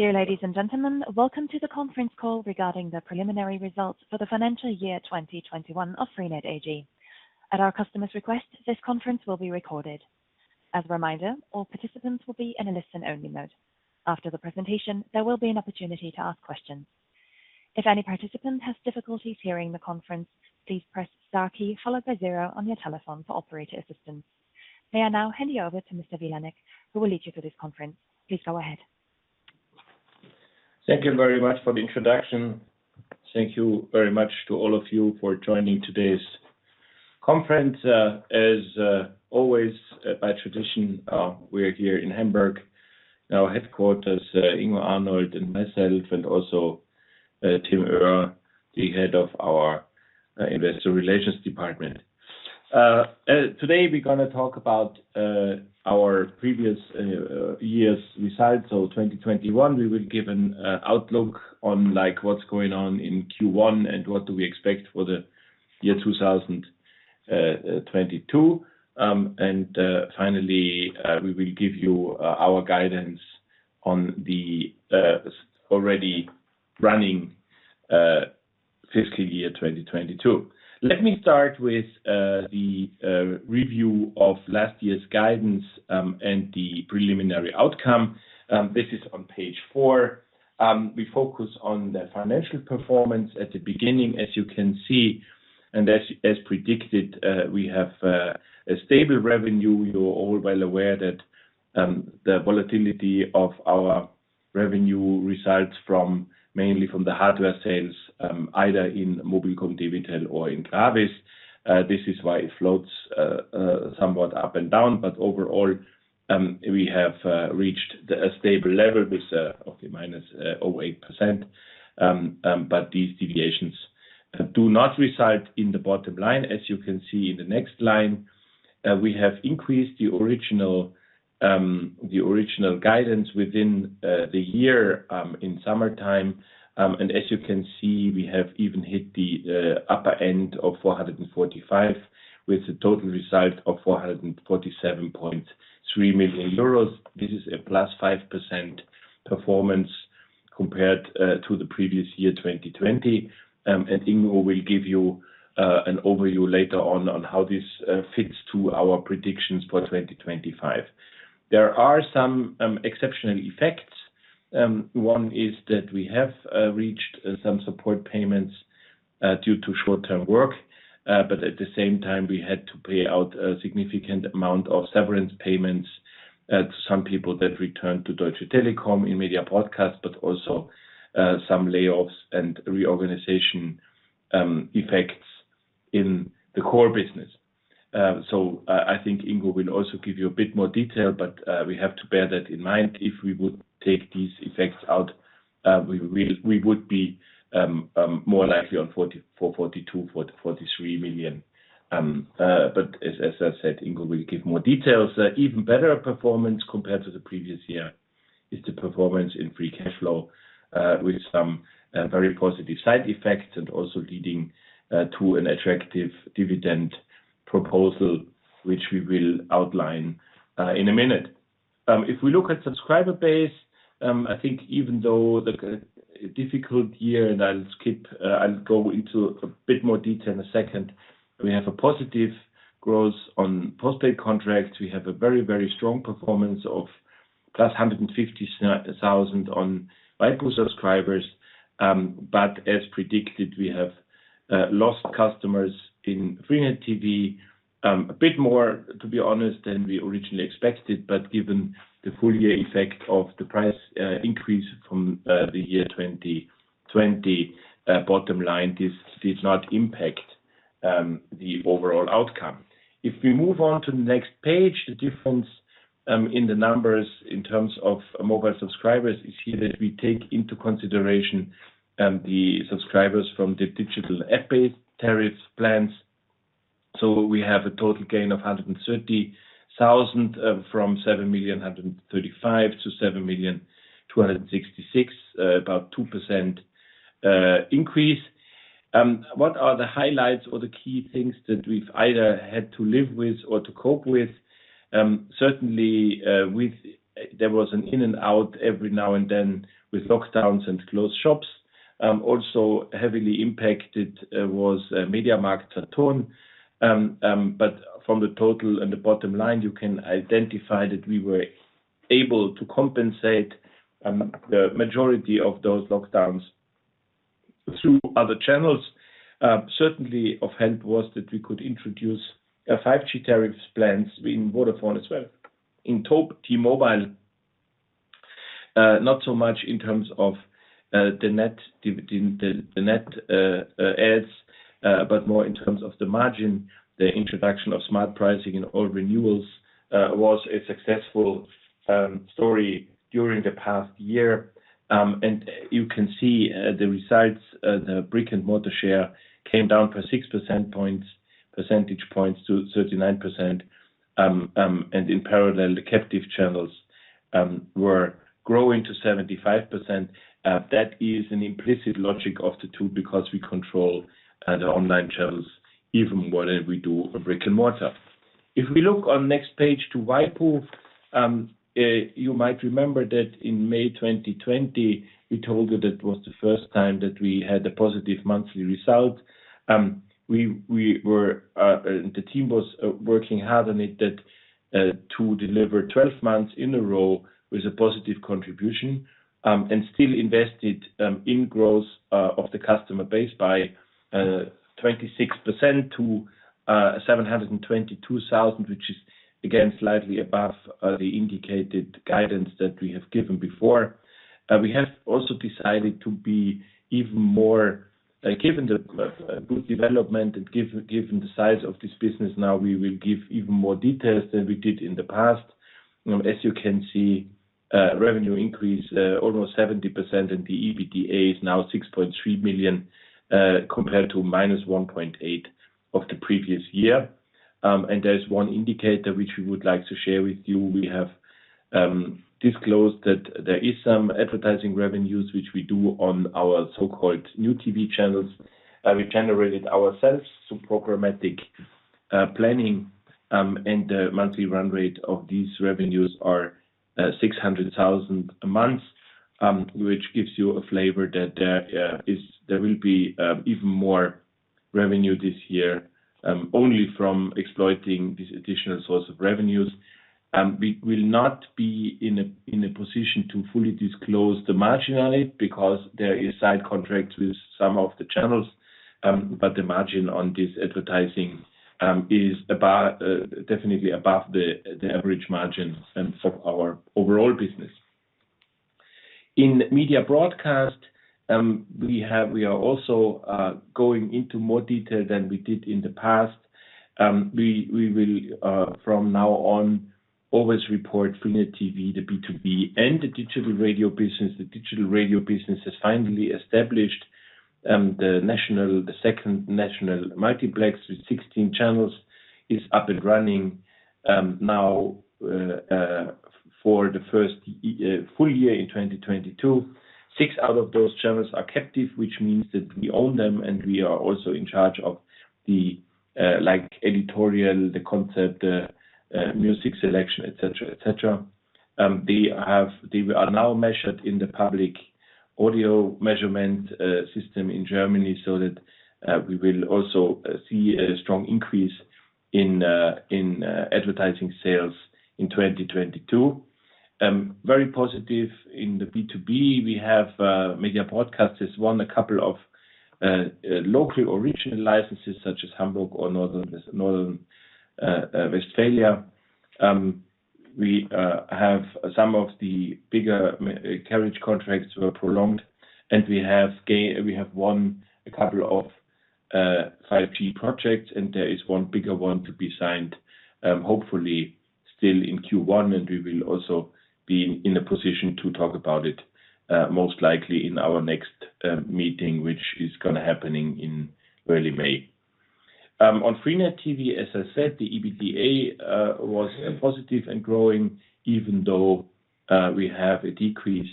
Dear ladies and gentlemen, welcome to the conference call regarding the preliminary results for the financial year 2021 of freenet AG. At our customer's request, this conference will be recorded. As a reminder, all participants will be in a listen-only mode. After the presentation, there will be an opportunity to ask questions. If any participant has difficulties hearing the conference please press star key followed by zero on your telephone for operator assistance. May I now hand you over to Mr. Vilanek, who will lead you through this conference. Please go ahead. Thank you very much for the introduction. Thank you very much to all of you for joining today's conference. As always, by tradition, we're here in Hamburg, our headquarters, Ingo Arnold and myself, and also Tim Oehr, the head of our investor relations department. Today we're gonna talk about our previous year's results, so 2021. We will give an outlook on, like, what's going on in Q1 and what do we expect for the year 2022. Finally, we will give you our guidance on the already running fiscal year 2022. Let me start with the review of last year's guidance and the preliminary outcome. This is on page four. We focus on the financial performance at the beginning, as you can see. As predicted, we have a stable revenue. You're all well aware that the volatility of our revenue results mainly from the hardware sales, either in mobilcom-debitel or in GRAVIS. This is why it floats somewhat up and down. Overall, we have reached a stable level with okay -8%. These deviations do not reside in the bottom line. As you can see in the next line, we have increased the original guidance within the year in summertime. As you can see, we have even hit the upper end of 445, million, with a total result of 447.3 million euros. This is a +5% performance compared to the previous year, 2020 and Ingo will give you an overview later on how this fits to our predictions for 2025. There are some exceptional effects. One is that we have received some support payments due to short-term work, but at the same time, we had to pay out a significant amount of severance payments to some people that returned to Deutsche Telekom, Media Broadcast, but also some layoffs and reorganization effects in the core business. I think Ingo will also give you a bit more detail, but we have to bear that in mind. If we would take these effects out, we would be more likely on 42 million-44 million. As I said, Ingo will give more details. Even better performance compared to the previous year is the performance in free cash flow, with some very positive side effects and also leading to an attractive dividend proposal, which we will outline in a minute. If we look at subscriber base, I think even though the difficult year, I'll go into a bit more detail in a second. We have a positive growth on postpaid contracts. We have a very, very strong performance of +150,000 on mobile subscribers. As predicted, we have lost customers in freenet TV, a bit more, to be honest, than we originally expected. Given the full-year effect of the price increase from the year 2020, bottom line, this did not impact the overall outcome. If we move on to the next page, the difference in the numbers in terms of mobile subscribers is here that we take into consideration the subscribers from the digital lifestyle-based tariff plans. We have a total gain of 130,000 from 7,135,000 to 7,266,000, about 2% increase. What are the highlights or the key things that we've either had to live with or to cope with? Certainly, there was an in and out every now and then with lockdowns and closed shops. Also heavily impacted was MediaMarktSaturn. But from the total and the bottom line, you can identify that we were able to compensate the majority of those lockdowns through other channels. Certainly of help was that we could introduce 5G tariff plans in Vodafone as well. In T-Mobile, not so much in terms of the net adds, but more in terms of the margin. The introduction of smart pricing in all renewals was a successful story during the past year. You can see the results. The brick-and-mortar share came down by 6 percentage points to 39%. In parallel, the captive channels were growing to 75%. That is an implicit logic of the two because we control the online channels even more than we do brick-and-mortar. If we look on next page to waipu, you might remember that in May 2020, we told you that was the first time that we had a positive monthly result. We were the team was working hard on it that to deliver 12 months in a row with a positive contribution, and still invested in growth of the customer base by 26% to 722,000, which is again slightly above the indicated guidance that we have given before. We have also decided to be even more, given the good development and given the size of this business now, we will give even more details than we did in the past. As you can see, revenue increase almost 70%, and the EBITDA is now 6.3 million compared to -1.8 million of the previous year. There's one indicator which we would like to share with you. We have disclosed that there is some advertising revenues which we do on our so-called new TV channels, we generated ourselves through programmatic planning, and the monthly run rate of these revenues are 600,000 a month, which gives you a flavor that there will be even more revenue this year only from exploiting this additional source of revenues. We will not be in a position to fully disclose the margin on it because there is side contracts with some of the channels, but the margin on this advertising is definitely above the average margin for our overall business. In Media Broadcast, we are also going into more detail than we did in the past. We will from now on always report freenet TV, the B2B, and the digital radio business. The digital radio business has finally established the second national multiplex with 16 channels is up and running now for the first full year in 2022. Six out of those channels are captive, which means that we own them, and we are also in charge of the like editorial, the concept, music selection, et cetera, et cetera. They are now measured in the public audio measurement system in Germany, so that we will also see a strong increase in advertising sales in 2022. Very positive in the B2B. We have Media Broadcast has won a couple of local or regional licenses such as Hamburg or North Rhine-Westphalia. We have some of the bigger carriage contracts were prolonged, and we have won a couple of 5G projects, and there is one bigger one to be signed, hopefully still in Q1, and we will also be in a position to talk about it, most likely in our next meeting, which is gonna happening in early May. On freenet TV, as I said, the EBITDA was positive and growing even though we have a decrease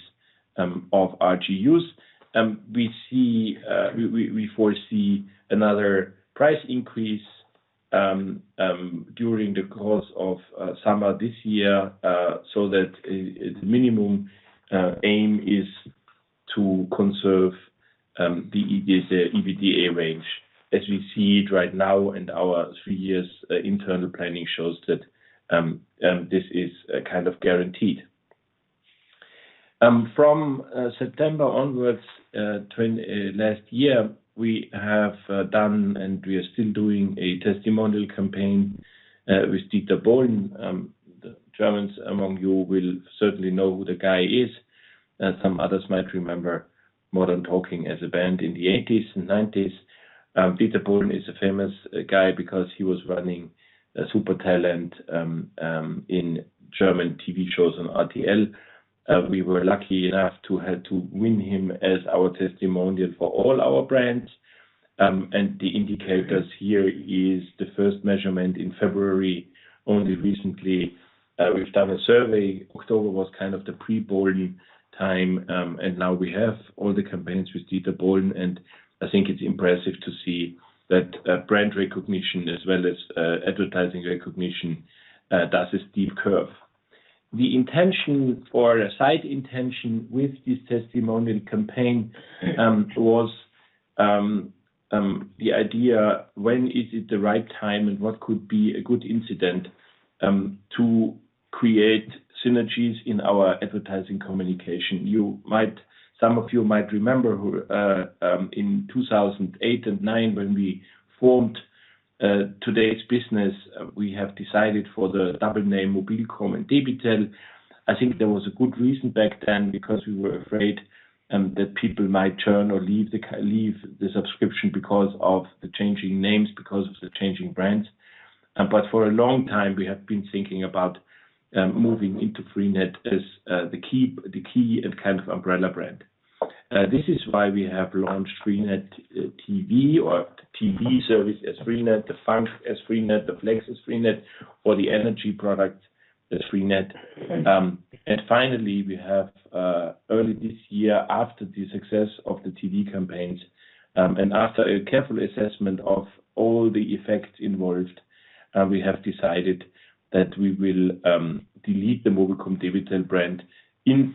of RGUs. We foresee another price increase during the course of summer this year, so that the minimum aim is to conserve the EBITDA range as we see it right now, and our three-year internal planning shows that this is kind of guaranteed. From September onwards last year, we have done and we are still doing a testimonial campaign with Dieter Bohlen. The Germans among you will certainly know who the guy is. Some others might remember Modern Talking as a band in the '80s and '90s. Dieter Bohlen is a famous guy because he was running Supertalent in German TV shows on RTL. We were lucky enough to win him as our testimonial for all our brands. The indicators here is the first measurement in February. Only recently, we've done a survey. October was kind of the pre-Bohlen time, now we have all the campaigns with Dieter Bohlen, and I think it's impressive to see that, brand recognition as well as, advertising recognition, that's a steep curve. The intention or side intention with this testimonial campaign, was, the idea when is it the right time and what could be a good incident, to create synergies in our advertising communication. Some of you might remember, in 2008 and 2009 when we formed, today's business, we have decided for the double name, mobilcom and debitel. I think there was a good reason back then because we were afraid that people might leave the subscription because of the changing names, because of the changing brands. For a long time, we have been thinking about moving into freenet as the key and kind of umbrella brand. This is why we have launched freenet TV or TV Service as freenet, the FUNK as freenet, the FLEX as freenet, or the Energy Product as freenet. Finally, we have early this year, after the success of the TV campaigns, and after a careful assessment of all the effects involved, we have decided that we will delete the mobilcom-debitel brand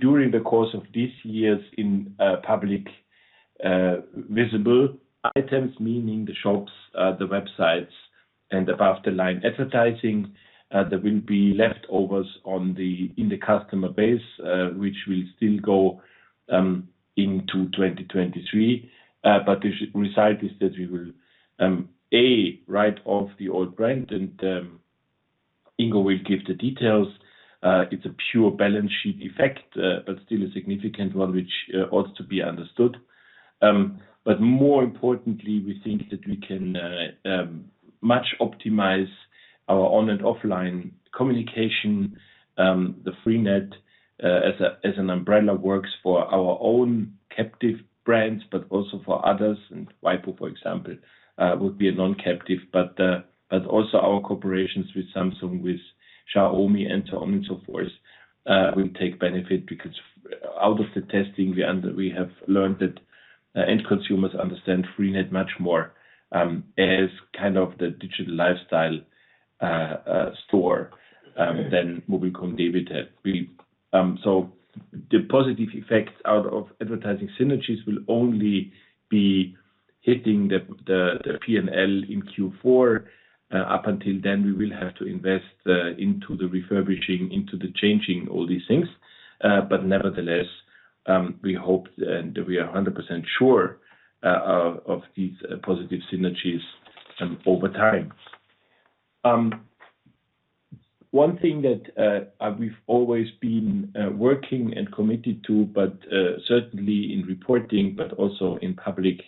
during the course of this year in public visible items, meaning the shops, the websites, and above the line advertising. There will be leftovers in the customer base, which will still go into 2023. The result is that we will A, write off the old brand and Ingo will give the details. It's a pure balance sheet effect, but still a significant one which ought to be understood. More importantly, we think that we can much optimize our online and offline communication. The freenet, as an umbrella, works for our own captive brands, but also for others. waipu, for example, would be a non-captive, but also our corporations with Samsung, with Xiaomi, and so on and so forth, will take benefit because out of the testing, we have learned that end consumers understand freenet much more, as kind of the digital lifestyle store, than mobilcom-debitel really. The positive effects out of advertising synergies will only be hitting the P&L in Q4. Up until then, we will have to invest into the refurbishing, into the changing all these things. Nevertheless, we hope and we are 100% sure of these positive synergies over time. One thing that we've always been working and committed to, but certainly in reporting but also in public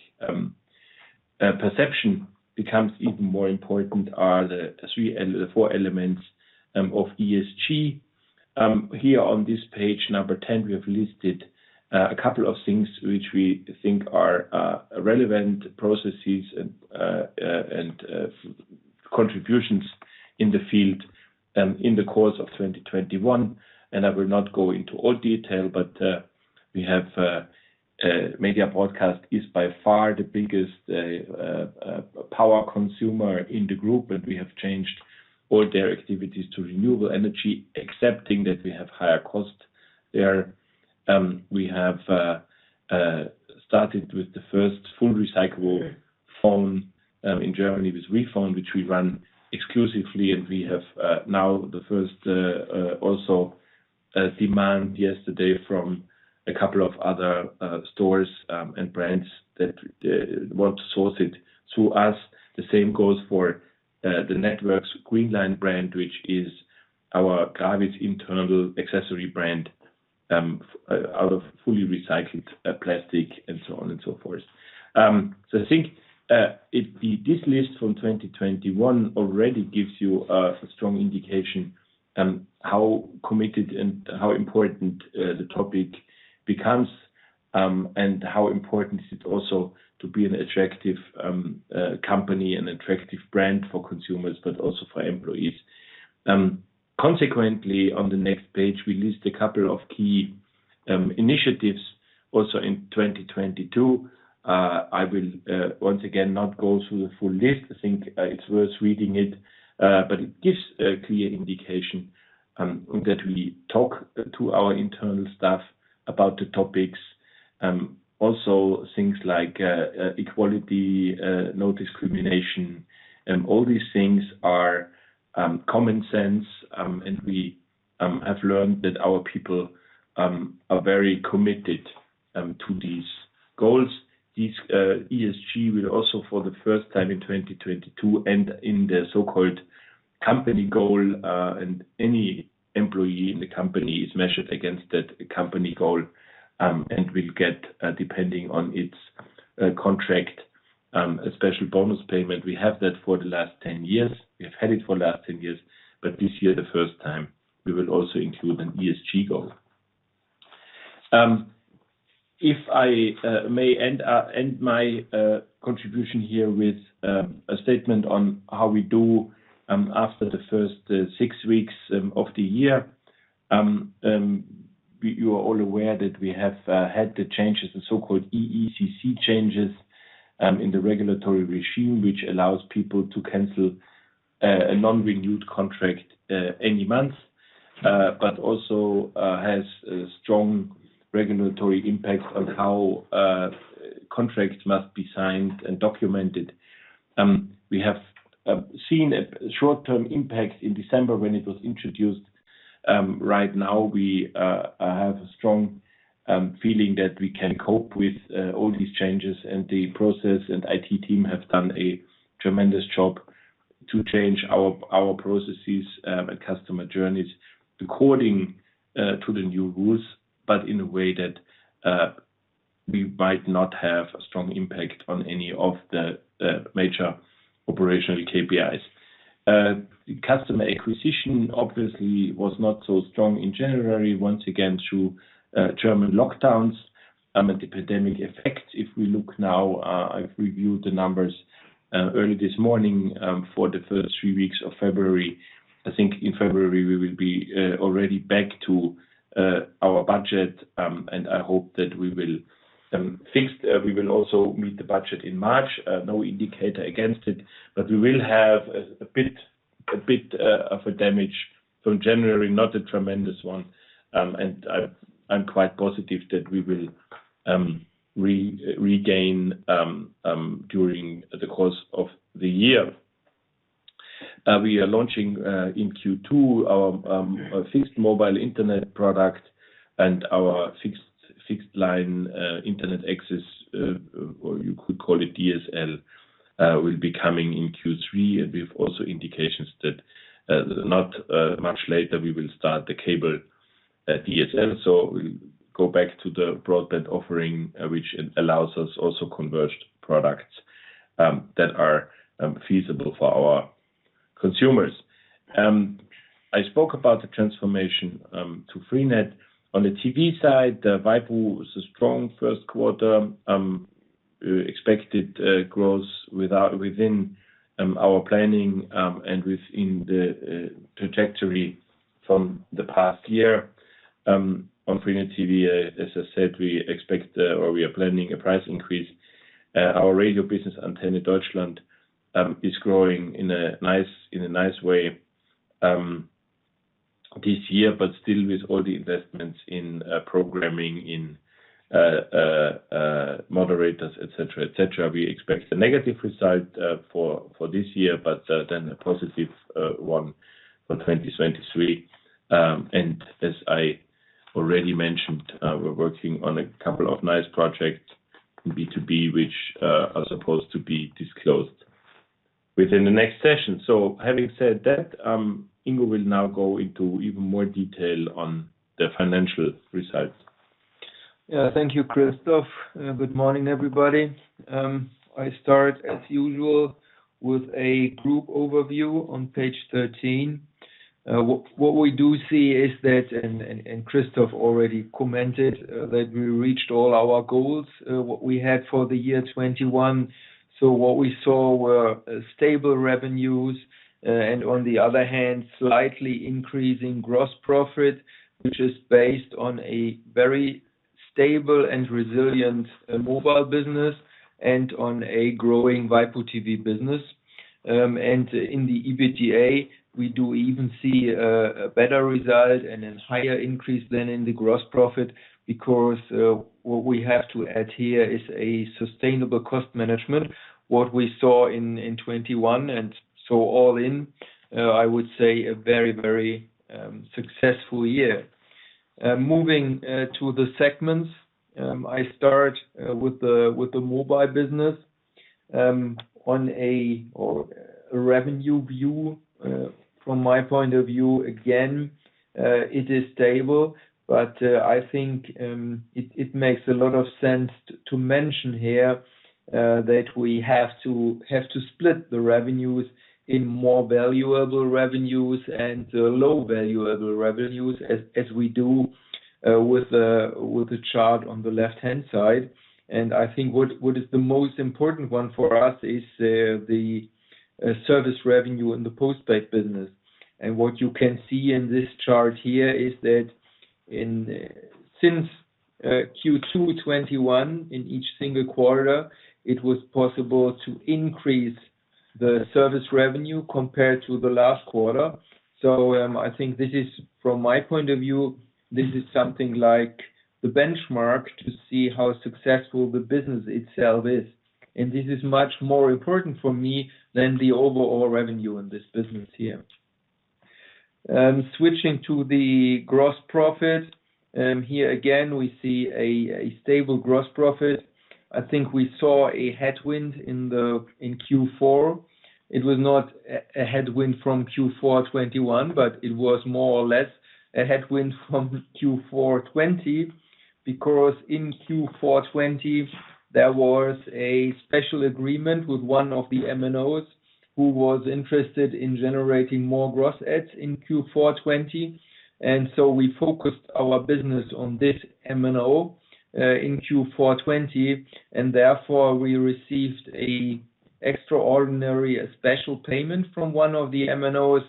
perception becomes even more important are the four elements of ESG. Here on this page number 10, we have listed a couple of things which we think are relevant processes and contributions in the field in the course of 2021. I will not go into all detail, but Media Broadcast is by far the biggest power consumer in the group, and we have changed all their activities to renewable energy, accepting that we have higher cost there. We have started with the first full recyclable phone in Germany, with rephone, which we run exclusively, and we have now also the first demand yesterday from a couple of other stores and brands that want to source it through us. The same goes for the Networx Greenline brand, which is our GRAVIS's internal accessory brand out of fully recycled plastic and so on and so forth. I think this list from 2021 already gives you a strong indication on how committed and how important the topic becomes, and how important it is also to be an attractive company and attractive brand for consumers, but also for employees. Consequently, on the next page, we list a couple of key initiatives also in 2022. I will once again not go through the full list. I think it's worth reading it, but it gives a clear indication that we talk to our internal staff about the topics. Also things like equality, no discrimination, all these things are common sense. We have learned that our people are very committed to these goals. This ESG will also for the first time in 2022 end in the so-called company goal, and any employee in the company is measured against that company goal, and will get, depending on its contract, a special bonus payment. We have that for the last 10 years. We've had it for the last 10 years, but this year, the first time, we will also include an ESG goal. If I may end my contribution here with a statement on how we do after the first six weeks of the year. You are all aware that we have had the changes, the so-called EECC changes, in the regulatory regime, which allows people to cancel a non-renewed contract any month, but also has a strong regulatory impact on how contracts must be signed and documented. We have seen a short-term impact in December when it was introduced. Right now, we have a strong feeling that we can cope with all these changes, and the process and IT team have done a tremendous job to change our processes and customer journeys according to the new rules, but in a way that we might not have a strong impact on any of the major operational KPIs. Customer acquisition obviously was not so strong in January, once again through German lockdowns and the pandemic effect. If we look now, I've reviewed the numbers early this morning for the first three weeks of February. I think in February we will be already back to our budget, and I hope that we will also meet the budget in March. No indicator against it, but we will have a bit of a damage from January, not a tremendous one. I'm quite positive that we will regain during the course of the year. We are launching in Q2 our fixed mobile internet product and our fixed line internet access, or you could call it DSL, will be coming in Q3. We have also indications that not much later we will start the cable DSL. We go back to the broadband offering, which allows us also converged products that are feasible for our consumers. I spoke about the transformation to freenet. On the TV side, the waipu.tv was a strong first quarter with expected growth within our planning and within the trajectory from the past year. On freenet TV, as I said, we expect or we are planning a price increase. Our radio business, Antenne Deutschland, is growing in a nice way this year, but still with all the investments in programming, in moderators, et cetera. We expect a negative result for this year, but then a positive one for 2023. As I already mentioned, we're working on a couple of nice projects in B2B, which are supposed to be disclosed within the next session. Having said that, Ingo will now go into even more detail on the financial results. Yeah. Thank you, Christoph. Good morning, everybody. I start as usual with a group overview on page 13. What we do see is that, and Christoph already commented, that we reached all our goals, what we had for the year 2021. What we saw were stable revenues, and on the other hand, slightly increasing gross profit, which is based on a very stable and resilient mobile business and on a growing waipu.tv business. In the EBITDA, we do even see a better result and then higher increase than in the gross profit because what we have to add here is a sustainable cost management, what we saw in 2021. All in, I would say a very successful year. Moving to the segments, I start with the mobile business. On a revenue view, from my point of view, again, it is stable, but I think it makes a lot of sense to mention here that we have to split the revenues in more valuable revenues and low valuable revenues as we do with the chart on the left-hand side. I think what is the most important one for us is the service revenue in the post-paid business. What you can see in this chart here is that since Q2 2021, in each single quarter, it was possible to increase the service revenue compared to the last quarter. I think this is from my point of view, this is something like the benchmark to see how successful the business itself is. This is much more important for me than the overall revenue in this business here. Switching to the gross profit. Here again, we see a stable gross profit. I think we saw a headwind in Q4. It was not a headwind from Q4 2021, but it was more or less a headwind from Q4 2020, because in Q4 2020, there was a special agreement with one of the MNOs who was interested in generating more gross adds in Q4 2020. We focused our business on this MNO in Q4 2020, and therefore we received a extraordinary special payment from one of the MNOs,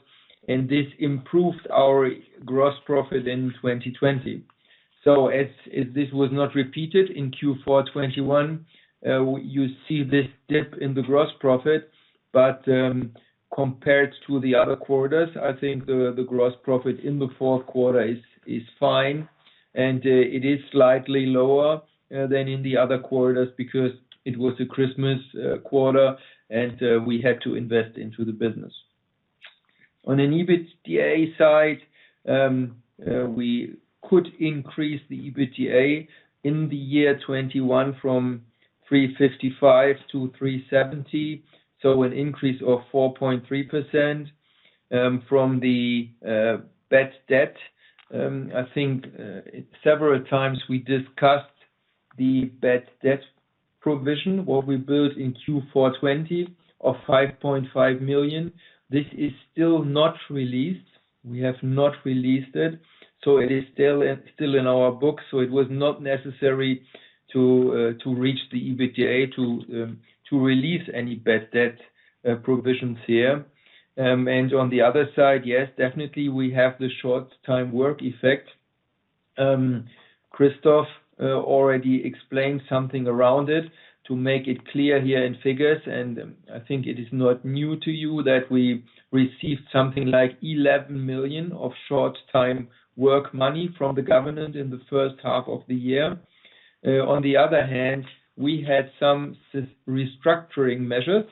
and this improved our gross profit in 2020. As this was not repeated in Q4 2021, you see this dip in the gross profit. Compared to the other quarters, I think the gross profit in the fourth quarter is fine, and it is slightly lower than in the other quarters because it was a Christmas quarter, and we had to invest into the business. On an EBITDA side, we could increase the EBITDA in 2021 from 355 million to 370 million. An increase of 4.3% from the bad debt. I think several times we discussed the bad debt provision what we built in Q4 2020 of 5.5 million. This is still not released. We have not released it. It is still in our books. It was not necessary to reach the EBITDA to release any bad debt provisions here. On the other side, yes, definitely we have the short-time work effect. Christoph already explained something around it to make it clear here in figures, and I think it is not new to you that we received something like 11 million of short-time work money from the government in the first half of the year. On the other hand, we had some restructuring measures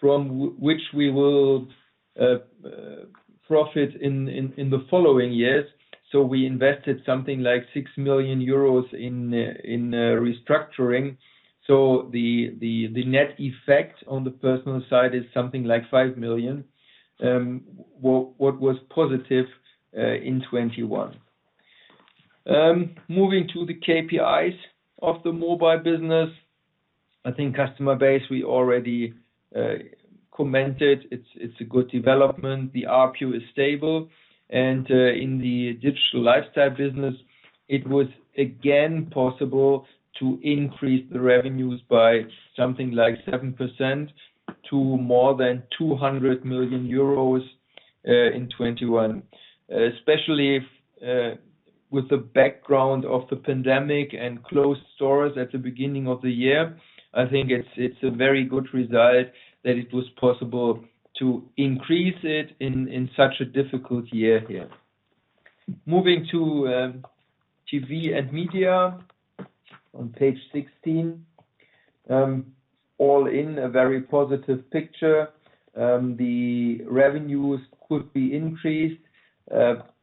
from which we will profit in the following years. We invested something like 6 million euros in restructuring. The net effect on the personnel side is something like 5 million, which was positive in 2021. Moving to the KPIs of the mobile business, I think customer base, we already commented. It's a good development. The ARPU is stable, and in the digital lifestyle business, it was again possible to increase the revenues by something like 7% to more than 200 million euros in 2021. Especially if with the background of the pandemic and closed stores at the beginning of the year, I think it's a very good result that it was possible to increase it in such a difficult year here. Moving to TV and Media on page 16. All in a very positive picture. The revenues could be increased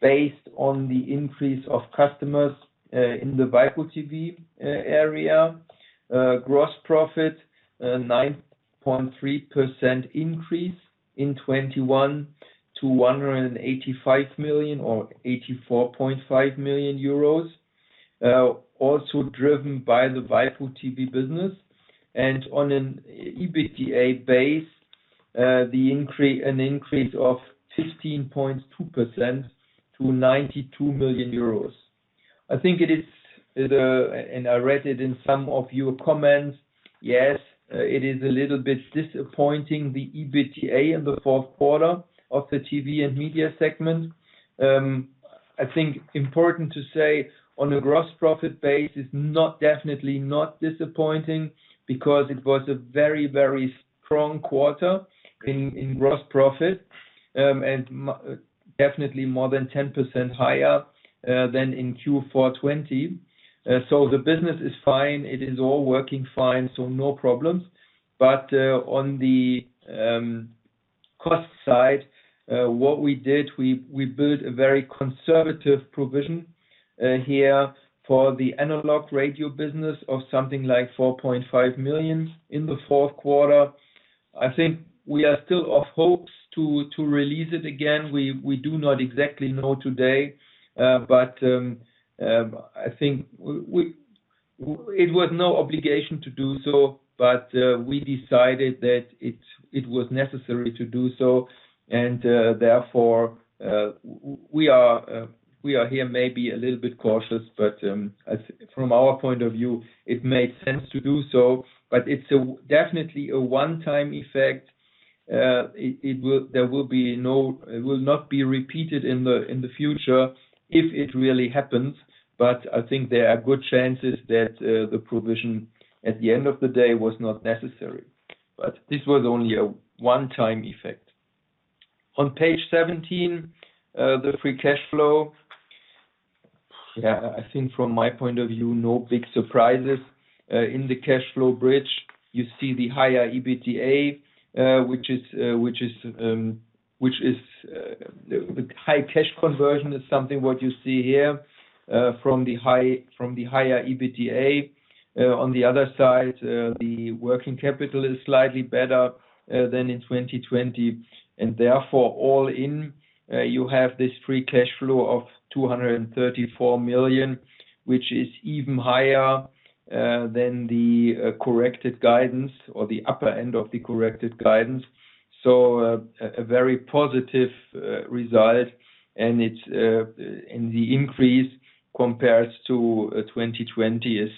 based on the increase of customers in the waipu.tv area. Gross profit, 9.3% increase in 2021 to 185 million or 84.5 million euros, also driven by the waipu.tv business. On an EBITDA base, an increase of 15.2% to 92 million euros. I think it is. I read it in some of your comments. Yes, it is a little bit disappointing, the EBITDA in the fourth quarter of the TV and Media segment. I think important to say on a gross profit base, it's not, definitely not disappointing because it was a very strong quarter in gross profit, and definitely more than 10% higher than in Q4 2020. The business is fine. It is all working fine, no problems. On the cost side, what we did, we built a very conservative provision here for the analog radio business of something like 4.5 million in the fourth quarter. I think we are still hopeful to release it again. We do not exactly know today, but I think it was no obligation to do so, but we decided that it was necessary to do so. Therefore, we are here maybe a little bit cautious, but from our point of view, it made sense to do so, but it's definitely a one-time effect. It will not be repeated in the future if it really happens. I think there are good chances that the provision at the end of the day was not necessary. This was only a one-time effect. On page 17, the free cash flow. I think from my point of view, no big surprises in the cash flow bridge. You see the higher EBITDA, which is the high cash conversion is something what you see here from the higher EBITDA. On the other side, the working capital is slightly better than in 2020. Therefore, all in, you have this free cash flow of 234 million, which is even higher than the corrected guidance or the upper end of the corrected guidance. A very positive result, and the increase compares to 2020 is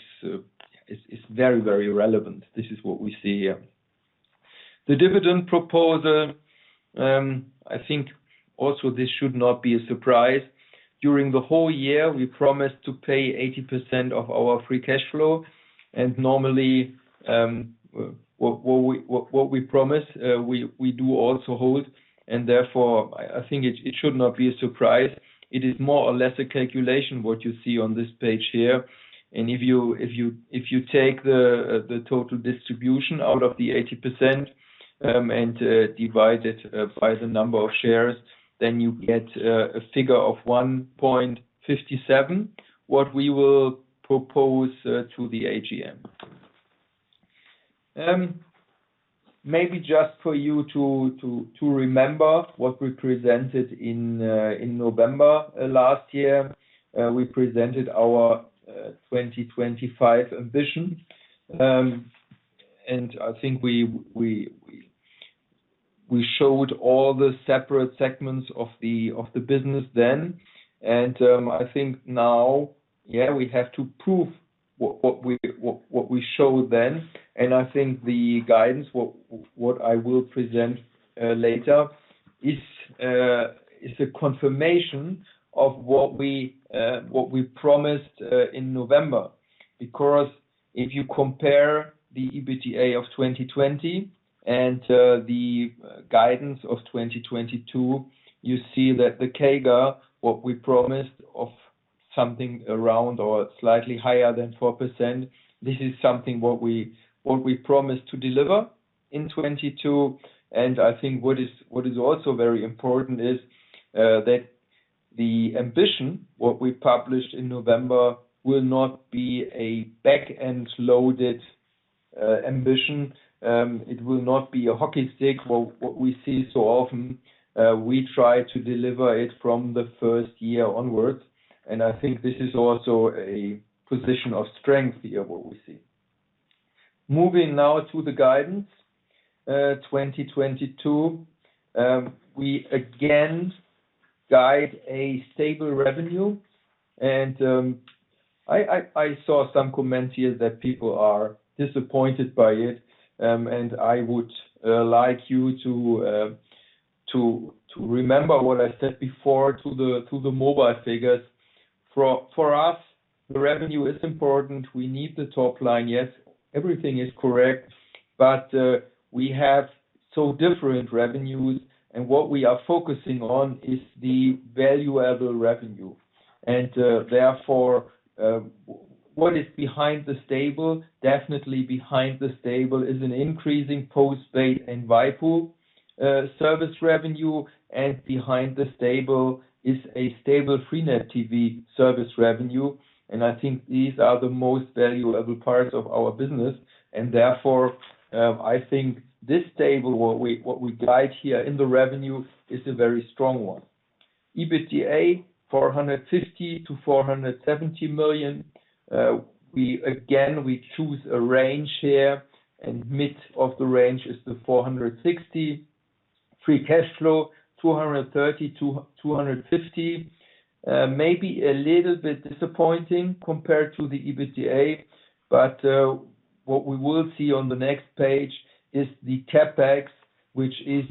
very relevant. This is what we see here. The dividend proposal, I think, should also not be a surprise. During the whole year, we promised to pay 80% of our free cash flow. Normally, what we promise, we do also hold, and therefore, I think it should not be a surprise. It is more or less a calculation what you see on this page here. If you take the total distribution out of the 80%, and divide it by the number of shares, then you get a figure of 1.57, what we will propose to the AGM. Maybe just for you to remember what we presented in November last year, we presented our 2025 ambition. I think we showed all the separate segments of the business then, and I think now, yeah, we have to prove what we showed then. I think the guidance, what I will present later is a confirmation of what we promised in November. Because if you compare the EBITDA of 2020 and the guidance of 2022, you see that the CAGR, what we promised of something around or slightly higher than 4%, this is something what we promised to deliver in 2022. I think what is also very important is that the ambition what we published in November will not be a back-end loaded ambition. It will not be a hockey stick what we see so often. We try to deliver it from the first year onwards, and I think this is also a position of strength here what we see. Moving now to the guidance 2022. We again guide a stable revenue and I saw some comments here that people are disappointed by it. I would like you to remember what I said before to the mobile figures. For us the revenue is important, e need the top line. Yes, everything is correct, but we have so different revenues and what we are focusing on is the valuable revenue. Therefore, what is behind the stable, definitely behind the stable is an increasing postpaid and waipu service revenue, and behind the stable is a stable freenet TV service revenue. I think these are the most valuable parts of our business. Therefore, I think this stable, what we guide here in the revenue is a very strong one. EBITDA 450 million-470 million. We again choose a range here, and mid of the range is 460 million. Free cash flow 230 million-250 million. Maybe a little bit disappointing compared to the EBITDA, but what we will see on the next page is the CapEx, which is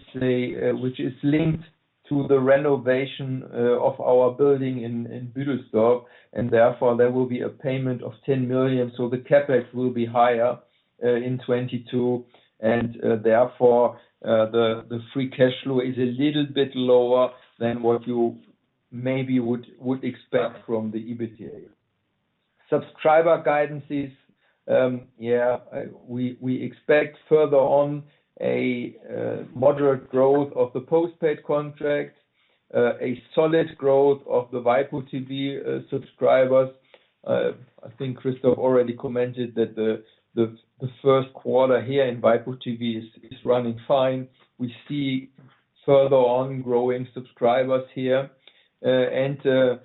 linked to the renovation of our building in Büdelsdorf, and therefore there will be a payment of 10 million. The CapEx will be higher in 2022 and therefore the free cash flow is a little bit lower than what you maybe would expect from the EBITDA. Subscriber guidances. We expect further on a moderate growth of the postpaid contracts, a solid growth of the waipu.tv subscribers. I think Christoph already commented that the first quarter here in waipu.tv is running fine. We see further on growing subscribers here, and the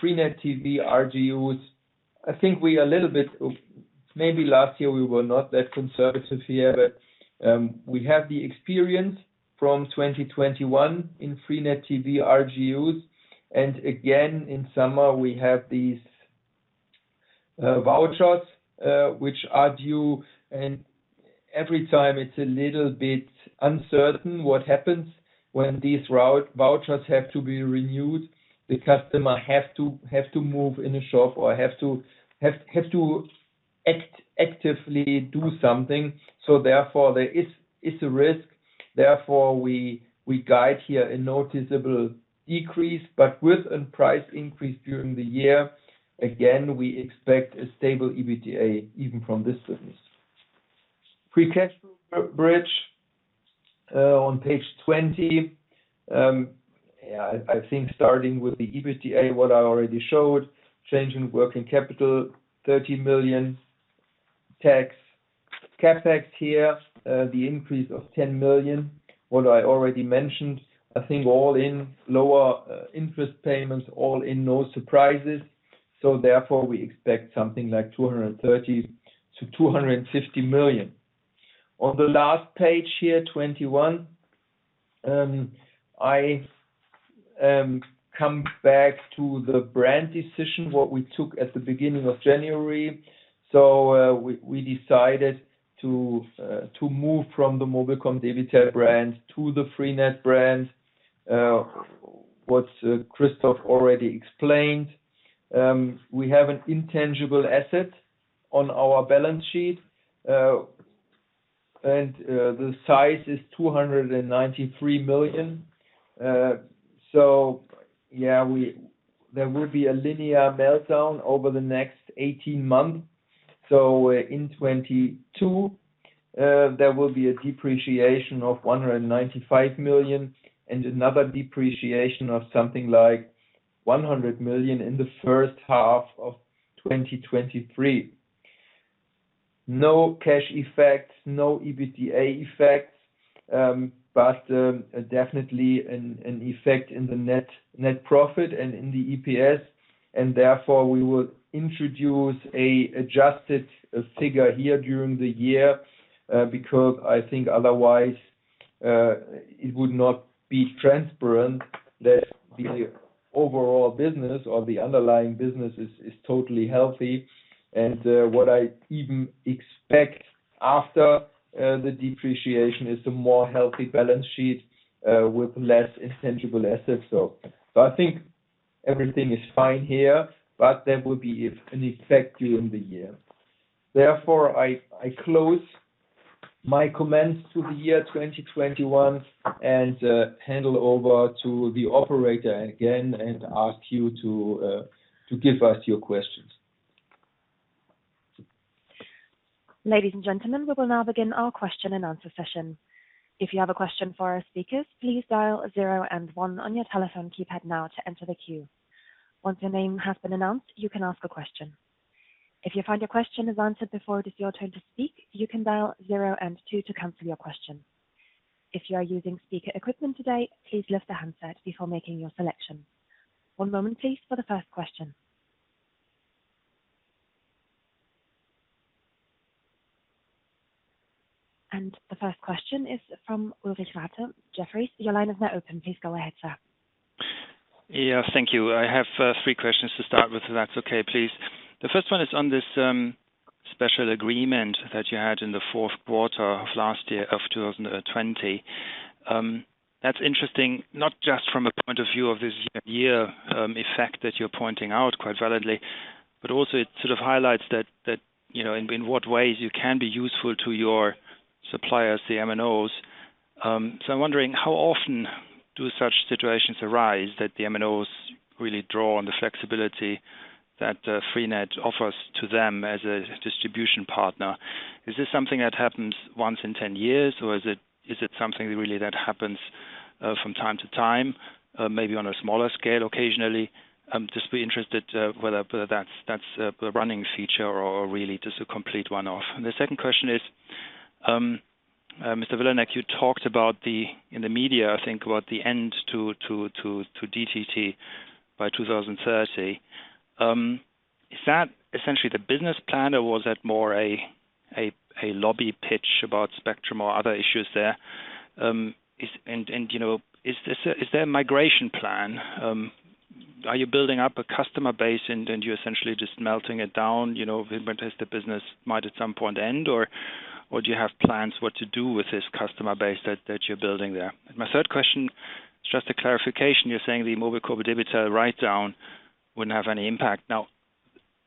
freenet TV RGUs. I think we were a little bit. Maybe last year we were not that conservative here, but we have the experience from 2021 in freenet TV RGUs. Again, in summer we have these vouchers, which are due and every time it's a little bit uncertain what happens when these RGU vouchers have to be renewed. The customer have to move in a shop or have to actively do something. Therefore there is a risk. Therefore, we guide here a noticeable decrease, but with a price increase during the year, again, we expect a stable EBITDA even from this business. Free cash flow bridge on page 20. I think starting with the EBITDA, what I already showed, change in working capital, 30 million. Tax, CapEx here, the increase of 10 million, what I already mentioned. I think all-in lower interest payments, all-in, no surprises. Therefore, we expect something like 230-250 million. On the last page here, 21, I come back to the brand decision, what we took at the beginning of January. We decided to move from the mobilcom-debitel brand to the freenet brand, what Christoph already explained. We have an intangible asset on our balance sheet, and the size is 293 million. There will be a linear meltdown over the next 18 months. In 2022, there will be a depreciation of 195 million and another depreciation of something like 100 million in the first half of 2023. No cash effects, no EBITDA effects, but definitely an effect in the net profit and in the EPS and therefore we will introduce an adjusted figure here during the year, because I think otherwise. It would not be transparent that the overall business or the underlying business is totally healthy. What I even expect after the depreciation is a more healthy balance sheet with less intangible assets. But I think everything is fine here, but there will be an effect during the year. Therefore, I close my comments to the year 2021 and hand over to the operator again and ask you to give us your questions. Ladies and gentlemen, we will now begin our question-and-answer session. If you have a question for our speakers, please dial zero and one on your telephone keypad now to enter the queue. Once your name has been announced, you can ask a question. If you find your question is answered before it is your turn to speak, you can dial zero and two to cancel your question. If you are using speaker equipment today, please lift the handset before making your selection. One moment, please, for the first question. The first question is from Ulrich Rathe, Jefferies. Your line is now open. Please go ahead, sir. Yeah, thank you. I have three questions to start with, if that's okay, please. The first one is on this special agreement that you had in the fourth quarter of last year, of 2020. That's interesting, not just from a point of view of this year effect that you're pointing out quite validly, but also it sort of highlights that, you know, in what ways you can be useful to your suppliers, the MNOs. So I'm wondering how often do such situations arise that the MNOs really draw on the flexibility that freenet offers to them as a distribution partner? Is this something that happens once in 10 years, or is it something really that happens from time to time, maybe on a smaller scale occasionally? I'm just really interested whether that's a running feature or really just a complete one-off. The second question is, Mr. Vilanek, you talked about the in the media, I think, about the end to DTT by 2030. Is that essentially the business plan or was that more a lobby pitch about spectrum or other issues there? You know, is there a migration plan? Are you building up a customer base and then you're essentially just melting it down, you know, when the business might at some point end or do you have plans what to do with this customer base that you're building there? My third question is just a clarification. You're saying the mobilcom-debitel write down wouldn't have any impact. Now,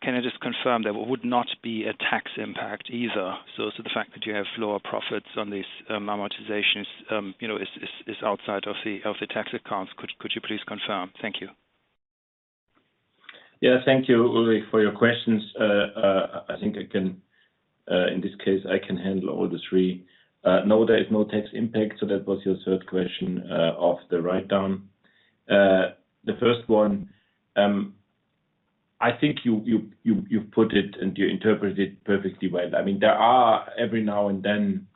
can I just confirm there would not be a tax impact either? The fact that you have lower profits on these amortizations, you know, is outside of the tax accounts. Could you please confirm? Thank you. Yeah, thank you, Ulrich, for your questions. I think I can in this case handle all three. No, there is no tax impact. That was your third question of the write down. The first one, I think you put it and you interpret it perfectly well. I mean, there are every now and then